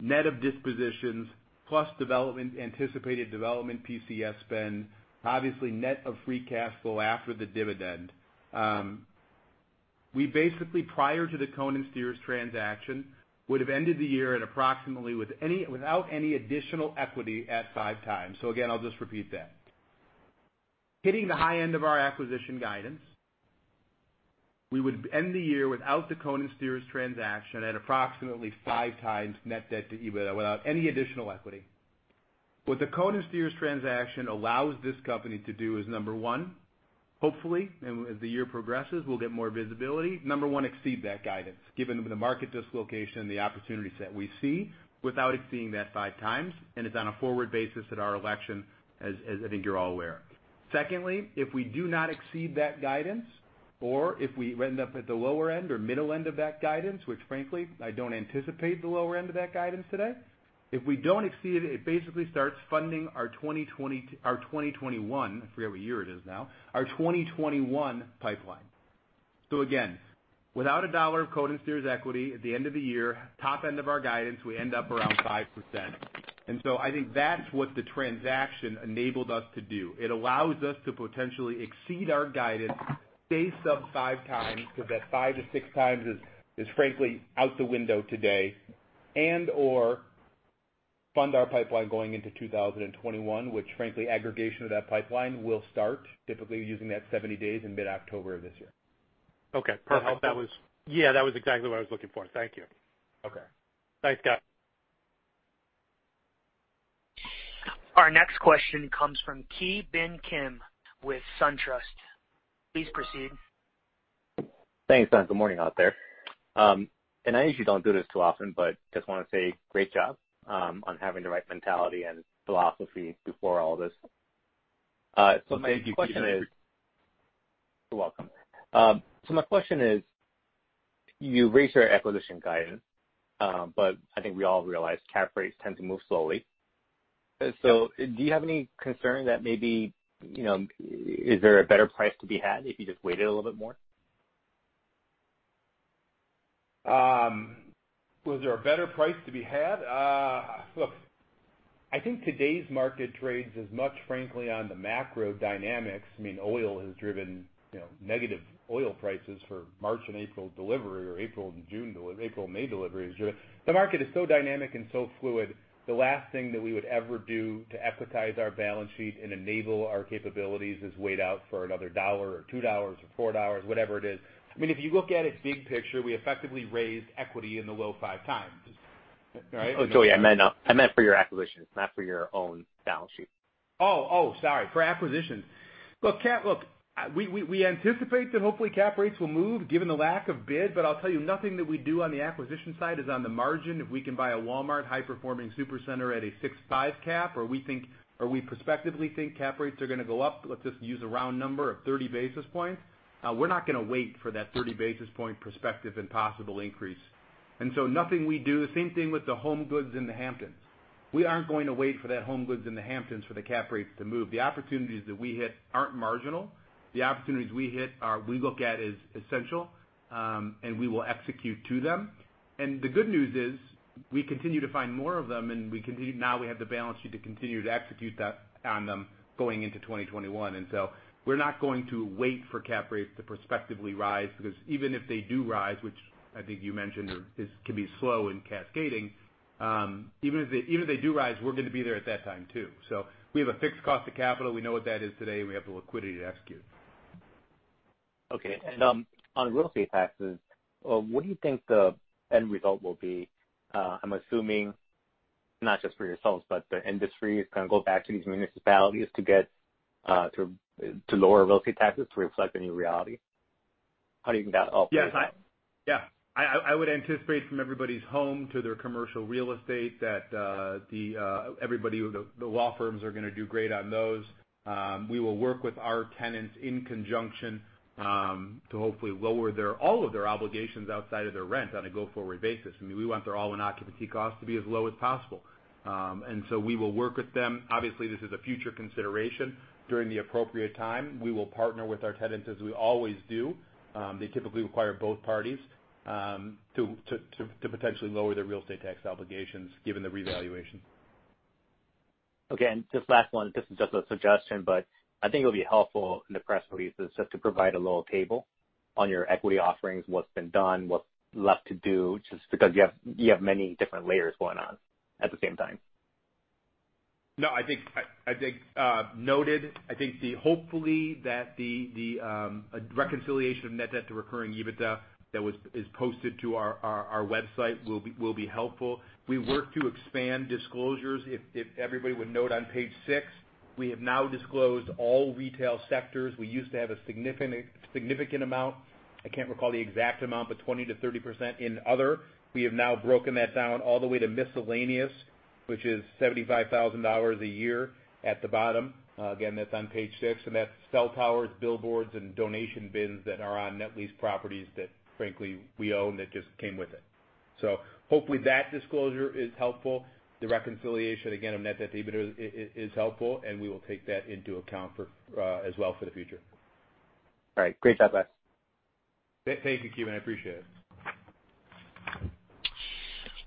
net of dispositions plus anticipated development PCS spend, obviously net of free cash flow after the dividend. We basically, prior to the Cohen & Steers transaction, would have ended the year at approximately without any additional equity at 5x. Again, I'll just repeat that. Hitting the high end of our acquisition guidance, we would end the year without the Cohen & Steers transaction at approximately 5x net debt to EBITDA without any additional equity. The Cohen & Steers transaction allows this company to do is, number one, hopefully, and as the year progresses, we'll get more visibility. Number one, exceed that guidance, given the market dislocation and the opportunities that we see without exceeding that 5x, and it's on a forward basis at our election, as I think you're all aware. Secondly, if we do not exceed that guidance, or if we end up at the lower end or middle end of that guidance, which frankly, I don't anticipate the lower end of that guidance today. If we don't exceed it basically starts funding our 2021, I forget what year it is now, our 2021 pipeline. Again, without $1 of Cohen & Steers equity, at the end of the year, top end of our guidance, we end up around 5%. I think that's what the transaction enabled us to do. It allows us to potentially exceed our guidance, stay sub 5x, because that 5x-6x is frankly out the window today and/or fund our pipeline going into 2021, which frankly aggregation of that pipeline will start typically using that 70 days in mid-October of this year. Okay, perfect. Hope that was- Yeah, that was exactly what I was looking for. Thank you. Okay. Thanks, guys. Our next question comes from Ki Bin Kim with SunTrust. Please proceed. Thanks. Good morning out there. I usually don't do this too often, but just want to say great job on having the right mentality and philosophy before all this. Well, thank you Ki, I appreciate it. You're welcome. My question is, you raised your acquisition guidance, but I think we all realize cap rates tend to move slowly. Do you have any concern that maybe, is there a better price to be had if you just waited a little bit more? Was there a better price to be had? Look, I think today's market trades as much frankly on the macro dynamics. Oil has driven negative oil prices for March and April delivery or April and June delivery, April and May delivery is driven. The market is so dynamic and so fluid. The last thing that we would ever do to equitize our balance sheet and enable our capabilities is wait out for another one dollar or two dollars or four dollars, whatever it is. If you look at it big picture, we effectively raised equity in the low five times, right? Oh, Joey, I meant for your acquisitions, not for your own balance sheet. Sorry. For acquisitions. Look, we anticipate that hopefully cap rates will move given the lack of bid, but I'll tell you nothing that we do on the acquisition side is on the margin. If we can buy a Walmart high-performing Supercenter at a 6.5 cap, or we prospectively think cap rates are going to go up, let's just use a round number of 30 basis points. We're not going to wait for that 30 basis point prospective and possible increase. Nothing we do. Same thing with the HomeGoods in the Hamptons. We aren't going to wait for that HomeGoods in the Hamptons for the cap rates to move. The opportunities that we hit aren't marginal. The opportunities we hit are we look at as essential, and we will execute to them. The good news is we continue to find more of them, and now we have the balance sheet to continue to execute that on them going into 2021. We're not going to wait for cap rates to prospectively rise because even if they do rise, which I think you mentioned can be slow in cascading, even if they do rise, we're going to be there at that time, too. We have a fixed cost of capital. We know what that is today, and we have the liquidity to execute. Okay. On real estate taxes, what do you think the end result will be? I'm assuming not just for yourselves, but the industry is going to go back to these municipalities to lower real estate taxes to reflect the new reality. How do you think that all plays out? Yeah. I would anticipate from everybody's home to their commercial real estate that the law firms are going to do great on those. We will work with our tenants in conjunction, to hopefully lower all of their obligations outside of their rent on a go-forward basis. We want their all-in occupancy costs to be as low as possible. We will work with them. Obviously, this is a future consideration. During the appropriate time, we will partner with our tenants as we always do. They typically require both parties to potentially lower their real estate tax obligations given the revaluation. Okay. Just last one, this is just a suggestion, but I think it'll be helpful in the press releases just to provide a little table on your equity offerings, what's been done, what's left to do, just because you have many different layers going on at the same time. No, noted. I think hopefully that the reconciliation of net debt to recurring EBITDA that is posted to our website will be helpful. We work to expand disclosures. If everybody would note on page six, we have now disclosed all retail sectors. We used to have a significant amount, I can't recall the exact amount, but 20%-30% in other. We have now broken that down all the way to miscellaneous, which is $75,000 a year at the bottom. Again, that's on page six, and that's cell towers, billboards, and donation bins that are on net lease properties that frankly we own that just came with it. Hopefully that disclosure is helpful. The reconciliation, again, of net debt to EBITDA is helpful, and we will take that into account as well for the future. All right. Great chat, guys. Thank you, Ki Bin. I appreciate it.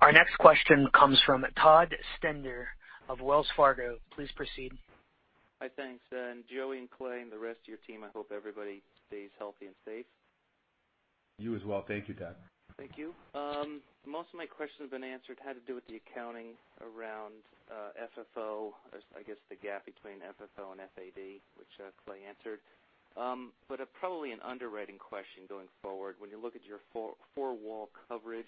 Our next question comes from Todd Stender of Wells Fargo. Please proceed. Hi, thanks. Joey and Clay and the rest of your team, I hope everybody stays healthy and safe. You as well. Thank you, Todd. Thank you. Most of my question has been answered, had to do with the accounting around FFO, I guess the gap between FFO and AFFO, which Clay answered. Probably an underwriting question going forward. When you look at your four-wall coverage,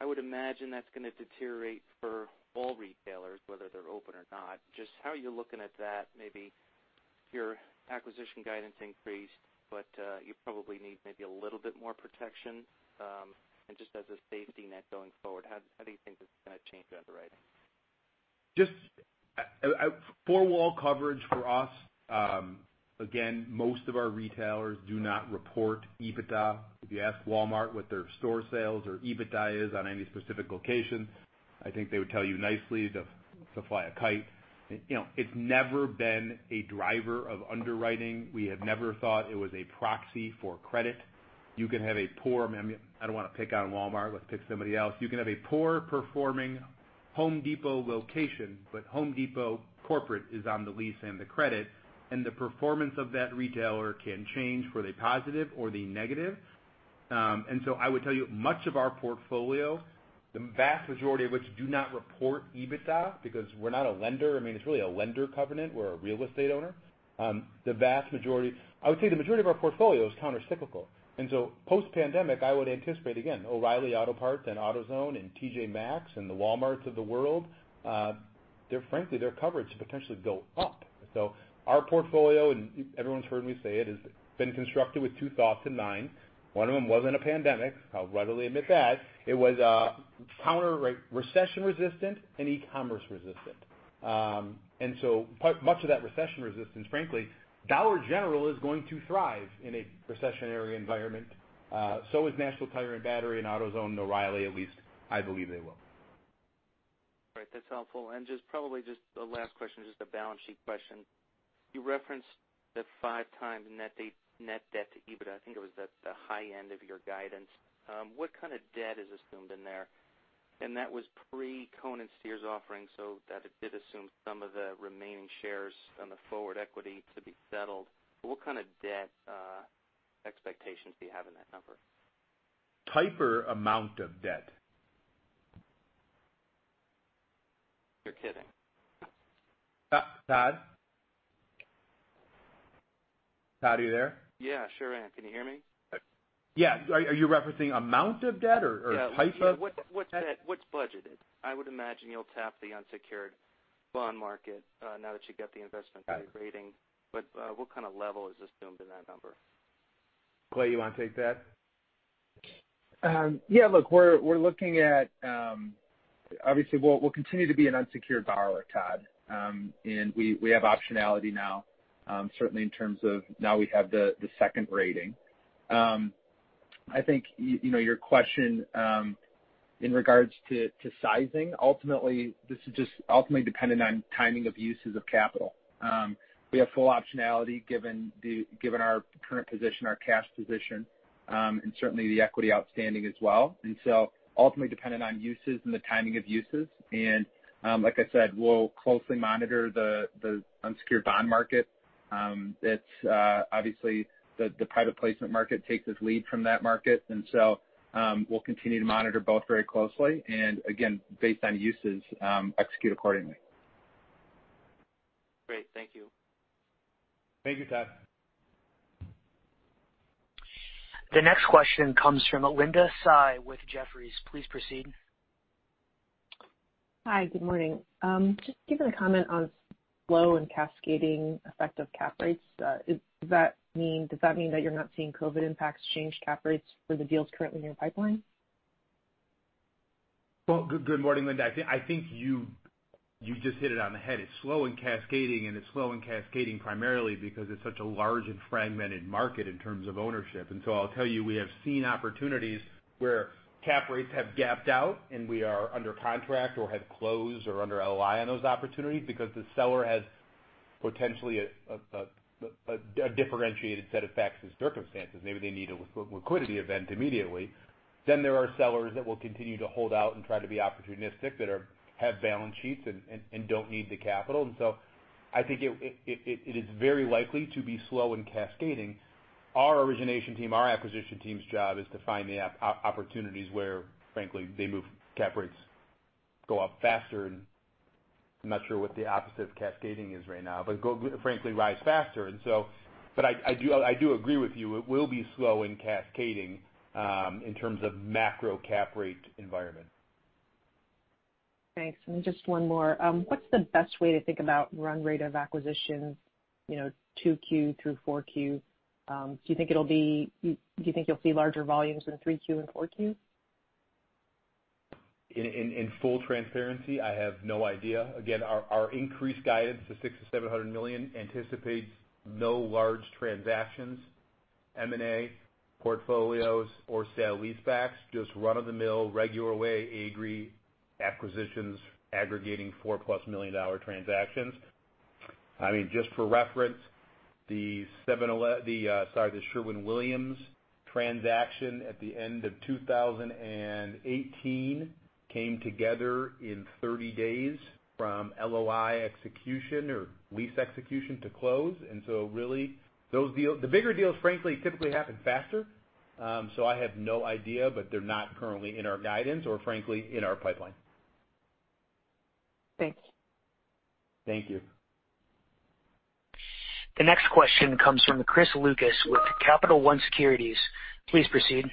I would imagine that's going to deteriorate for all retailers, whether they're open or not. Just how are you looking at that? Maybe your acquisition guidance increased, but you probably need maybe a little bit more protection, and just as a safety net going forward, how do you think this is going to change underwriting? Just four-wall coverage for us, again, most of our retailers do not report EBITDA. If you ask Walmart what their store sales or EBITDA is on any specific location, I think they would tell you nicely to fly a kite. It's never been a driver of underwriting. We have never thought it was a proxy for credit. I don't want to pick on Walmart. Let's pick somebody else. You can have a poor-performing Home Depot location, but Home Depot corporate is on the lease and the credit, and the performance of that retailer can change for the positive or the negative. I would tell you, much of our portfolio, the vast majority of which do not report EBITDA because we're not a lender. It's really a lender covenant. We're a real estate owner. I would say the majority of our portfolio is countercyclical. Post-pandemic, I would anticipate again, O'Reilly Auto Parts and AutoZone and TJ Maxx and the Walmarts of the world, frankly, their coverage to potentially go up. Our portfolio, and everyone's heard me say it, has been constructed with two thoughts in mind. One of them wasn't a pandemic. I'll readily admit that. It was recession resistant and e-commerce resistant. Much of that recession resistance, frankly, Dollar General is going to thrive in a recessionary environment. So is National Tire and Battery and AutoZone and O'Reilly, at least I believe they will. Right. That's helpful. Probably just the last question, just a balance sheet question. You referenced the 5x net debt to EBITDA. I think it was the high end of your guidance. What kind of debt is assumed in there? That was pre-Cohen & Steers offering, so that it did assume some of the remaining shares on the forward equity to be settled. What kind of debt expectations do you have in that number? Type or amount of debt? You're kidding. Todd, are you there? Yeah, sure am. Can you hear me? Yeah. Are you referencing amount of debt or type of debt? Yeah. What's budgeted? I would imagine you'll tap the unsecured bond market, now that you got the investment-grade rating. Got it. What kind of level is assumed in that number? Clay, you want to take that? Look, obviously, we'll continue to be an unsecured borrower, Todd. We have optionality now, certainly in terms of now we have the second rating. I think, your question in regards to sizing, ultimately, this is just ultimately dependent on timing of uses of capital. We have full optionality given our current position, our cash position, and certainly the equity outstanding as well. Ultimately dependent on uses and the timing of uses. Like I said, we'll closely monitor the unsecured bond market. Obviously, the private placement market takes its lead from that market. We'll continue to monitor both very closely, and again, based on uses, execute accordingly. Great. Thank you. Thank you, Todd. The next question comes from Linda Tsai with Jefferies. Please proceed. Hi. Good morning. Just giving a comment on slow and cascading effect of cap rates. Does that mean that you're not seeing COVID impacts change cap rates for the deals currently in your pipeline? Well, good morning, Linda. I think you just hit it on the head. It's slow and cascading. It's slow and cascading primarily because it's such a large and fragmented market in terms of ownership. I'll tell you, we have seen opportunities where cap rates have gapped out, and we are under contract or have closed or under LOI on those opportunities because the seller has potentially a differentiated set of facts and circumstances. Maybe they need a liquidity event immediately. There are sellers that will continue to hold out and try to be opportunistic that have balance sheets and don't need the capital. I think it is very likely to be slow and cascading. Our origination team, our acquisition team's job is to find the opportunities where, frankly, they move cap rates go up faster, and I'm not sure what the opposite of cascading is right now, but frankly, rise faster. But I do agree with you. It will be slow and cascading in terms of macro cap rate environment. Thanks. Just one more. What's the best way to think about run rate of acquisitions, 2Q through 4Q? Do you think you'll see larger volumes in 3Q and 4Q? In full transparency, I have no idea. Our increased guidance to $6 million-$700 million anticipates no large transactions, M&A, portfolios, or sale leasebacks, just run-of-the-mill, regular way Agree acquisitions aggregating $4-plus million dollar transactions. Just for reference, the Sherwin-Williams transaction at the end of 2018 came together in 30 days from LOI execution or lease execution to close. Really, the bigger deals, frankly, typically happen faster. I have no idea, but they're not currently in our guidance or frankly, in our pipeline. Thanks. Thank you. The next question comes from Chris Lucas with Capital One Securities. Please proceed.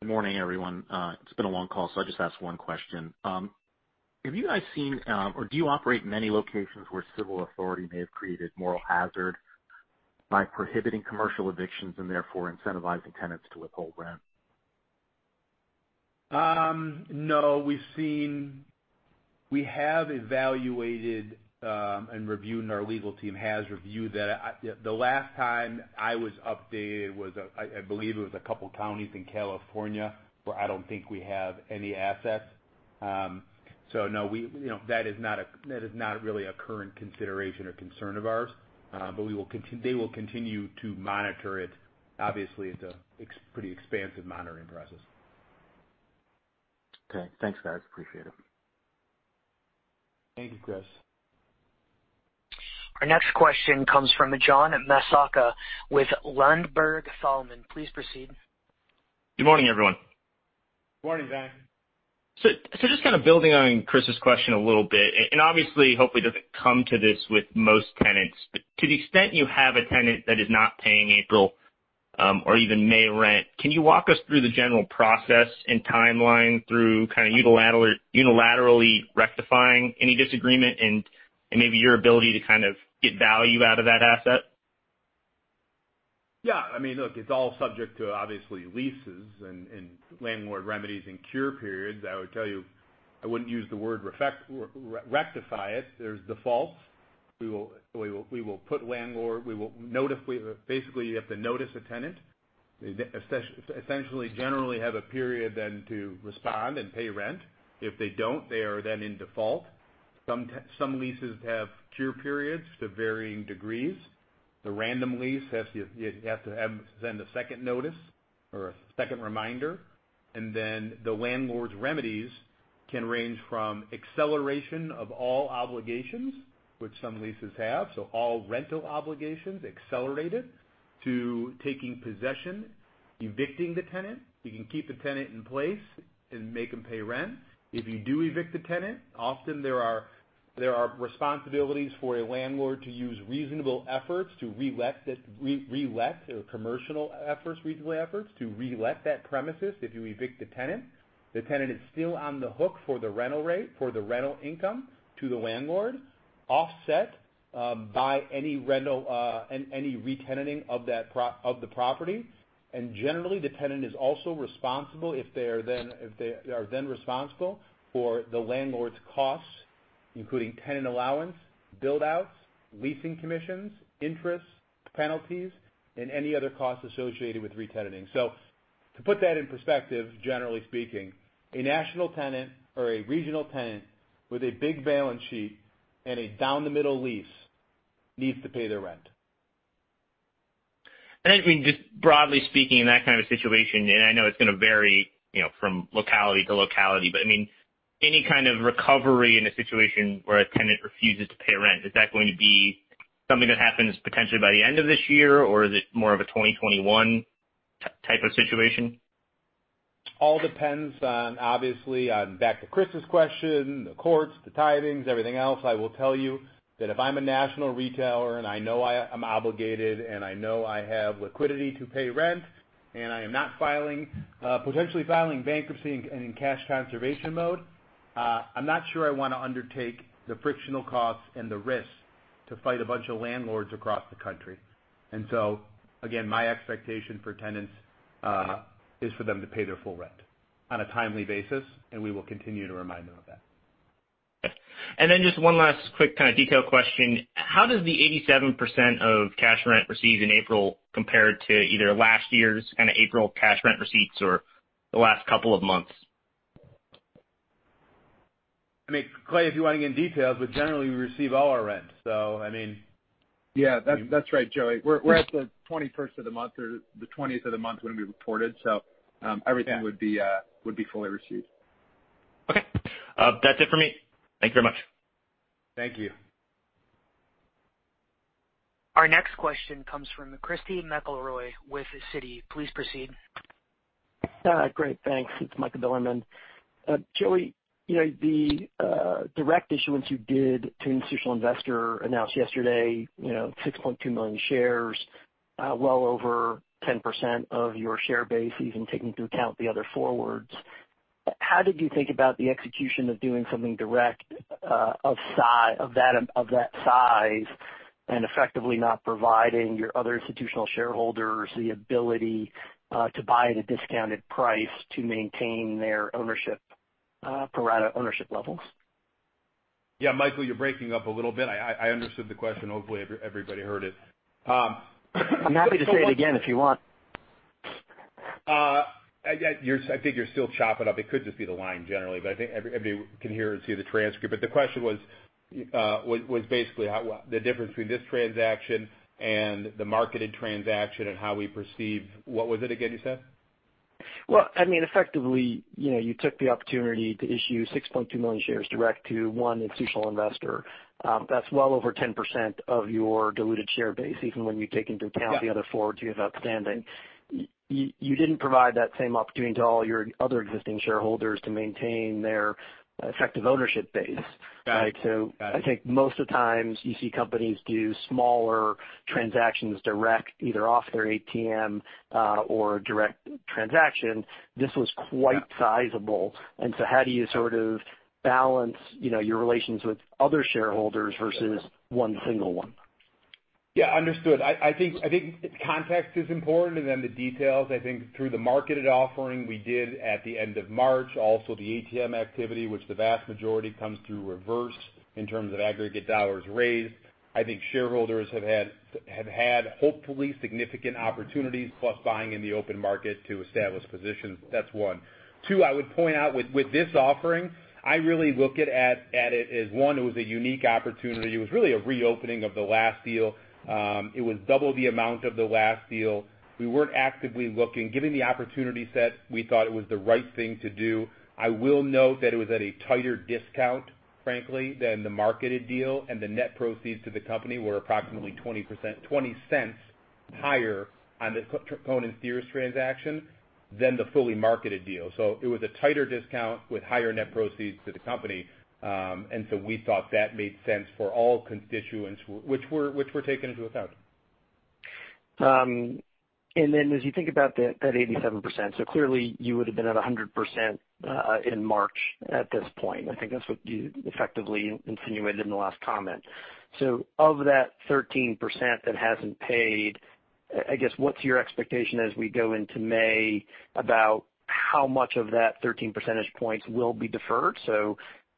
Good morning, everyone. It's been a long call. I'll just ask one question. Have you guys seen, or do you operate in many locations where civil authority may have created moral hazard by prohibiting commercial evictions and therefore incentivizing tenants to withhold rent? No. We have evaluated and reviewed, and our legal team has reviewed that. The last time I was updated was, I believe it was a couple counties in California where I don't think we have any assets. No, that is not really a current consideration or concern of ours. They will continue to monitor it. Obviously, it's a pretty expansive monitoring process. Okay. Thanks, guys. Appreciate it. Thank you, Chris. Our next question comes from John Massocca with Ladenburg Thalmann. Please proceed. Good morning, everyone. Morning, John. Just kind of building on Chris's question a little bit, and obviously, hopefully it doesn't come to this with most tenants. To the extent you have a tenant that is not paying April, or even May rent, can you walk us through the general process and timeline through unilaterally rectifying any disagreement and maybe your ability to kind of get value out of that asset? Yeah. Look, it's all subject to obviously leases and landlord remedies and cure periods. I would tell you, I wouldn't use the word rectify it. There's defaults. Basically, you have to notice a tenant. They essentially generally have a period then to respond and pay rent. If they don't, they are then in default. Some leases have cure periods to varying degrees. The random lease, you have to send a second notice or a second reminder, and then the landlord's remedies can range from acceleration of all obligations, which some leases have, so all rental obligations accelerated, to taking possession, evicting the tenant. You can keep the tenant in place and make them pay rent. If you do evict the tenant, often there are responsibilities for a landlord to use reasonable efforts to relet or commercial efforts, reasonable efforts to relet that premises if you evict a tenant. The tenant is still on the hook for the rental rate for the rental income to the landlord, offset by any re-tenanting of the property. Generally, the tenant is also responsible if they are then responsible for the landlord's costs, including tenant allowance, build-outs, leasing commissions, interest, penalties, and any other costs associated with re-tenanting. To put that in perspective, generally speaking, a national tenant or a regional tenant with a big balance sheet and a down the middle lease needs to pay their rent. I think just broadly speaking, in that kind of situation, and I know it's going to vary from locality to locality, but any kind of recovery in a situation where a tenant refuses to pay rent, is that going to be something that happens potentially by the end of this year? Or is it more of a 2021 type of situation? All depends on, obviously, on back to Chris's question, the courts, the tidings, everything else. I will tell you that if I'm a national retailer and I know I am obligated, and I know I have liquidity to pay rent, and I am not potentially filing bankruptcy and in cash conservation mode, I'm not sure I want to undertake the frictional costs and the risks to fight a bunch of landlords across the country. Again, my expectation for tenants is for them to pay their full rent on a timely basis, and we will continue to remind them of that. Just one last quick kind of detail question. How does the 87% of cash rent received in April compare to either last year's kind of April cash rent receipts or the last couple of months? Clay, if you want to get in details, but generally, we receive all our rents. I mean Yeah. That's right, Joey. We're at the 21st of the month or the 20th of the month when we reported. Everything would be fully received. Okay. That's it for me. Thank you very much. Thank you. Our next question comes from Christy McElroy with Citi. Please proceed. Great, thanks. It's Michael Bilerman. Joey, the direct issuance you did to an institutional investor announced yesterday 6.2 million shares, well over 10% of your share base, even taking into account the other forwards. How did you think about the execution of doing something direct of that size and effectively not providing your other institutional shareholders the ability to buy at a discounted price to maintain their pro rata ownership levels? Yeah, Michael, you're breaking up a little bit. I understood the question. Hopefully, everybody heard it. I'm happy to say it again if you want. I think you're still chopping up. It could just be the line generally, but I think everybody can hear and see the transcript. The question was basically the difference between this transaction and the marketed transaction and how we perceive What was it again, you said? Well, effectively, you took the opportunity to issue 6.2 million shares direct to one institutional investor. That's well over 10% of your diluted share base, even when you take into account the other forwards you have outstanding. You didn't provide that same opportunity to all your other existing shareholders to maintain their effective ownership base. Got it. I think most of the times, you see companies do smaller transactions direct, either off their ATM or a direct transaction. This was quite sizable. How do you sort of balance your relations with other shareholders versus one single one? Yeah, understood. I think context is important and then the details. I think through the marketed offering we did at the end of March, also the ATM activity, which the vast majority comes through reverse in terms of aggregate dollars raised. I think shareholders have had hopefully significant opportunities plus buying in the open market to establish positions. That's one. Two, I would point out with this offering, I really look at it as one, it was a unique opportunity. It was really a reopening of the last deal. It was double the amount of the last deal. We weren't actively looking. Given the opportunity set, we thought it was the right thing to do. I will note that it was at a tighter discount, frankly, than the marketed deal. The net proceeds to the company were approximately $0.20 higher on the Cohen & Steers transaction than the fully marketed deal. It was a tighter discount with higher net proceeds to the company. We thought that made sense for all constituents, which were taken into account. As you think about that 87%, clearly you would have been at 100% in March at this point. I think that's what you effectively insinuated in the last comment. Of that 13% that hasn't paid, I guess, what's your expectation as we go into May about how much of that 13 percentage points will be deferred?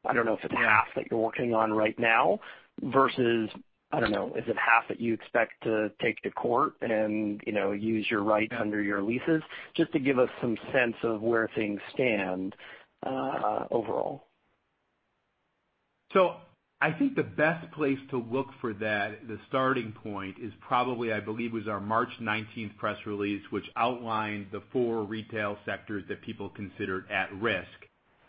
I don't know if it's half that you're working on right now versus, I don't know, is it half that you expect to take to court and use your right under your leases? Just to give us some sense of where things stand overall. I think the best place to look for that, the starting point is probably, I believe, was our March 19th press release, which outlined the four retail sectors that people considered at risk.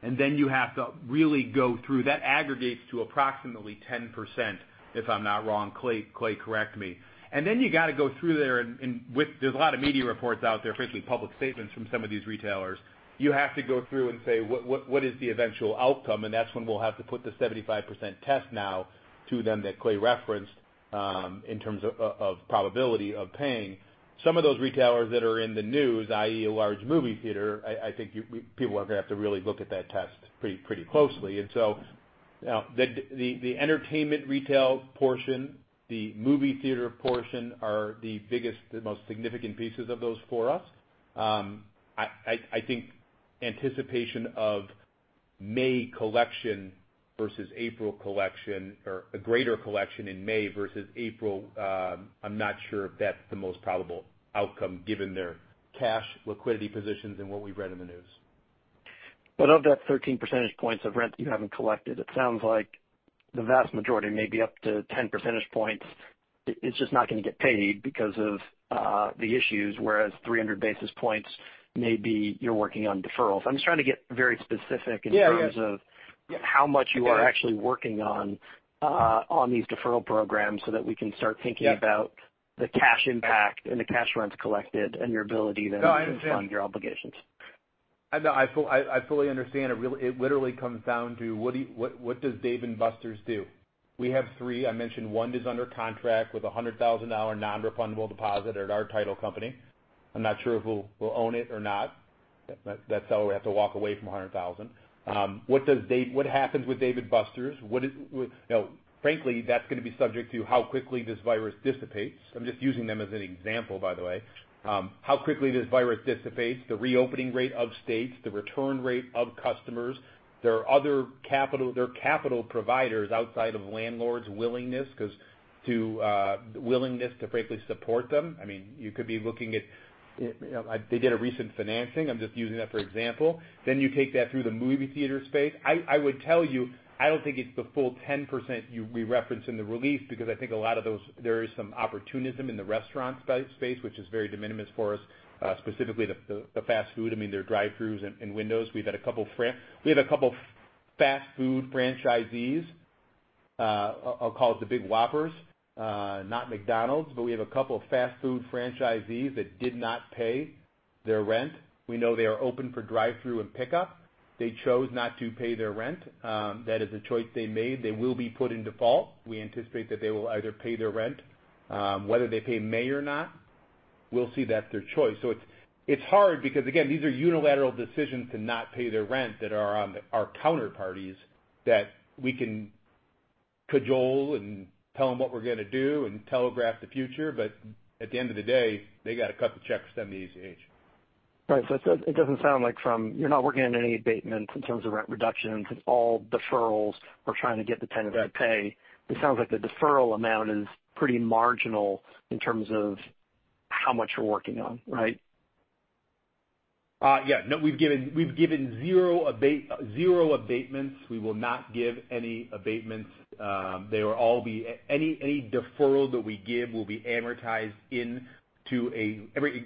Then you have to really go through. That aggregates to approximately 10%, if I'm not wrong, Clay, correct me. Then you got to go through there, and there's a lot of media reports out there, frankly, public statements from some of these retailers. You have to go through and say, what is the eventual outcome? That's when we'll have to put the 75% test now to them that Clay referenced, in terms of probability of paying. Some of those retailers that are in the news, i.e., a large movie theater, I think people are going to have to really look at that test pretty closely. The entertainment retail portion, the movie theater portion are the biggest, the most significant pieces of those for us. I think anticipation of May collection versus April collection, or a greater collection in May versus April, I'm not sure if that's the most probable outcome given their cash liquidity positions and what we've read in the news. Of that 13 percentage points of rent that you haven't collected, it sounds like the vast majority may be up to 10 percentage points, it's just not going to get paid because of the issues, whereas 300 basis points, maybe you're working on deferrals. Yeah in terms of how much you are actually working on these deferral programs, so that we can start thinking about. Yes the cash impact, and the cash rents collected, and your ability. No, I understand. fund your obligations. No, I fully understand. It literally comes down to what does Dave & Buster's do? We have three. I mentioned one is under contract with $100,000 non-refundable deposit at our title company. I'm not sure if we'll own it or not. That's how we have to walk away from $100,000. What happens with Dave & Buster's? Frankly, that's going to be subject to how quickly this virus dissipates. I'm just using them as an example, by the way. How quickly this virus dissipates, the reopening rate of states, the return rate of customers. There are capital providers outside of landlords' willingness to frankly support them. They did a recent financing, I'm just using that for example. You take that through the movie theater space. I would tell you, I don't think it's the full 10% we reference in the release because I think a lot of those, there is some opportunism in the restaurant space, which is very de minimis for us, specifically the fast food. There are drive-throughs and windows. We've had a couple fast food franchisees, I'll call it the big Whoppers, not McDonald's, but we have a couple of fast food franchisees that did not pay their rent. We know they are open for drive-through and pickup. They chose not to pay their rent. That is a choice they made. They will be put in default. We anticipate that they will either pay their rent. Whether they pay May or not, we'll see, that's their choice. It's hard because, again, these are unilateral decisions to not pay their rent that are on our counterparties that we can cajole and tell them what we're going to do and telegraph the future. At the end of the day, they got to cut the check to send to ACH. Right. It doesn't sound like you're not working on any abatements in terms of rent reductions. It's all deferrals or trying to get the tenant to pay. It sounds like the deferral amount is pretty marginal in terms of how much you're working on, right? Yeah. No, we've given zero abatements. We will not give any abatements. Every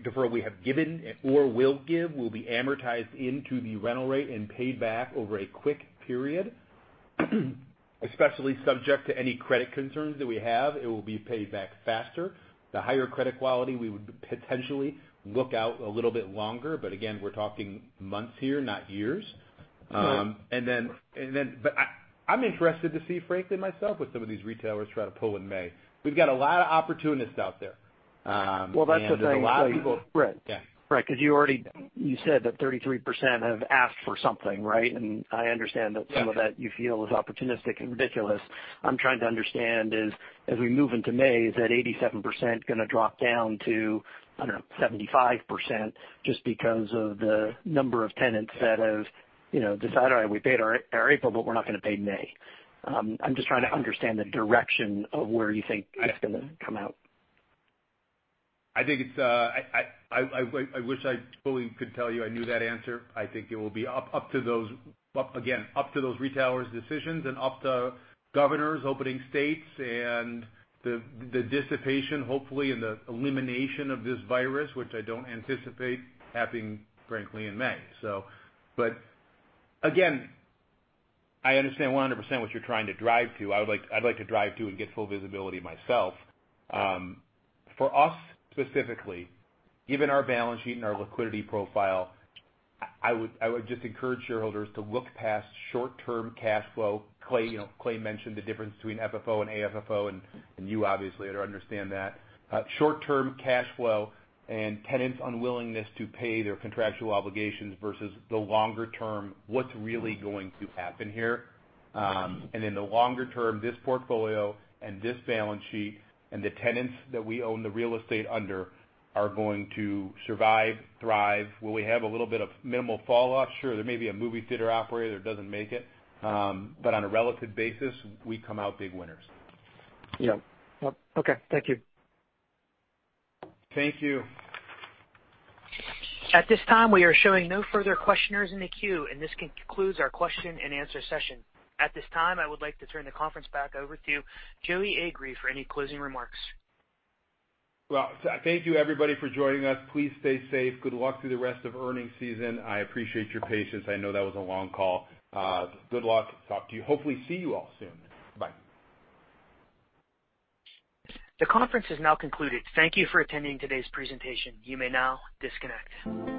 deferral we have given or will give will be amortized into the rental rate and paid back over a quick period, especially subject to any credit concerns that we have, it will be paid back faster. The higher credit quality, we would potentially look out a little bit longer, but again, we're talking months here, not years. Right. I'm interested to see, frankly, myself, what some of these retailers try to pull in May. We've got a lot of opportunists out there. Well, that's the thing. There's a lot of people. Right. Yeah. Right, because you said that 33% have asked for something, right? Right some of that you feel is opportunistic and ridiculous. I'm trying to understand is, as we move into May, is that 87% going to drop down to, I don't know, 75% just because of the number of tenants that have decided, "All right, we paid our April, but we're not going to pay May"? I'm just trying to understand the direction of where you think that's going to come out? I wish I fully could tell you I knew that answer. I think it will be, again, up to those retailers' decisions and up to governors opening states and the dissipation, hopefully, and the elimination of this virus, which I don't anticipate happening, frankly, in May. Again, I understand 100% what you're trying to drive to. I'd like to drive to and get full visibility myself. For us specifically, given our balance sheet and our liquidity profile, I would just encourage shareholders to look past short-term cash flow. Clay mentioned the difference between FFO and AFFO, and you obviously understand that. Short-term cash flow and tenants' unwillingness to pay their contractual obligations versus the longer term, what's really going to happen here. In the longer term, this portfolio and this balance sheet and the tenants that we own the real estate under are going to survive, thrive. Will we have a little bit of minimal fallout? Sure. There may be a movie theater operator that doesn't make it. On a relative basis, we come out big winners. Yep. Okay. Thank you. Thank you. At this time, we are showing no further questioners in the queue, and this concludes our question and answer session. At this time, I would like to turn the conference back over to Joey Agree for any closing remarks. Well, thank you everybody for joining us. Please stay safe. Good luck through the rest of earnings season. I appreciate your patience. I know that was a long call. Good luck. Talk to you. Hopefully, see you all soon. Bye. The conference is now concluded. Thank you for attending today's presentation. You may now disconnect.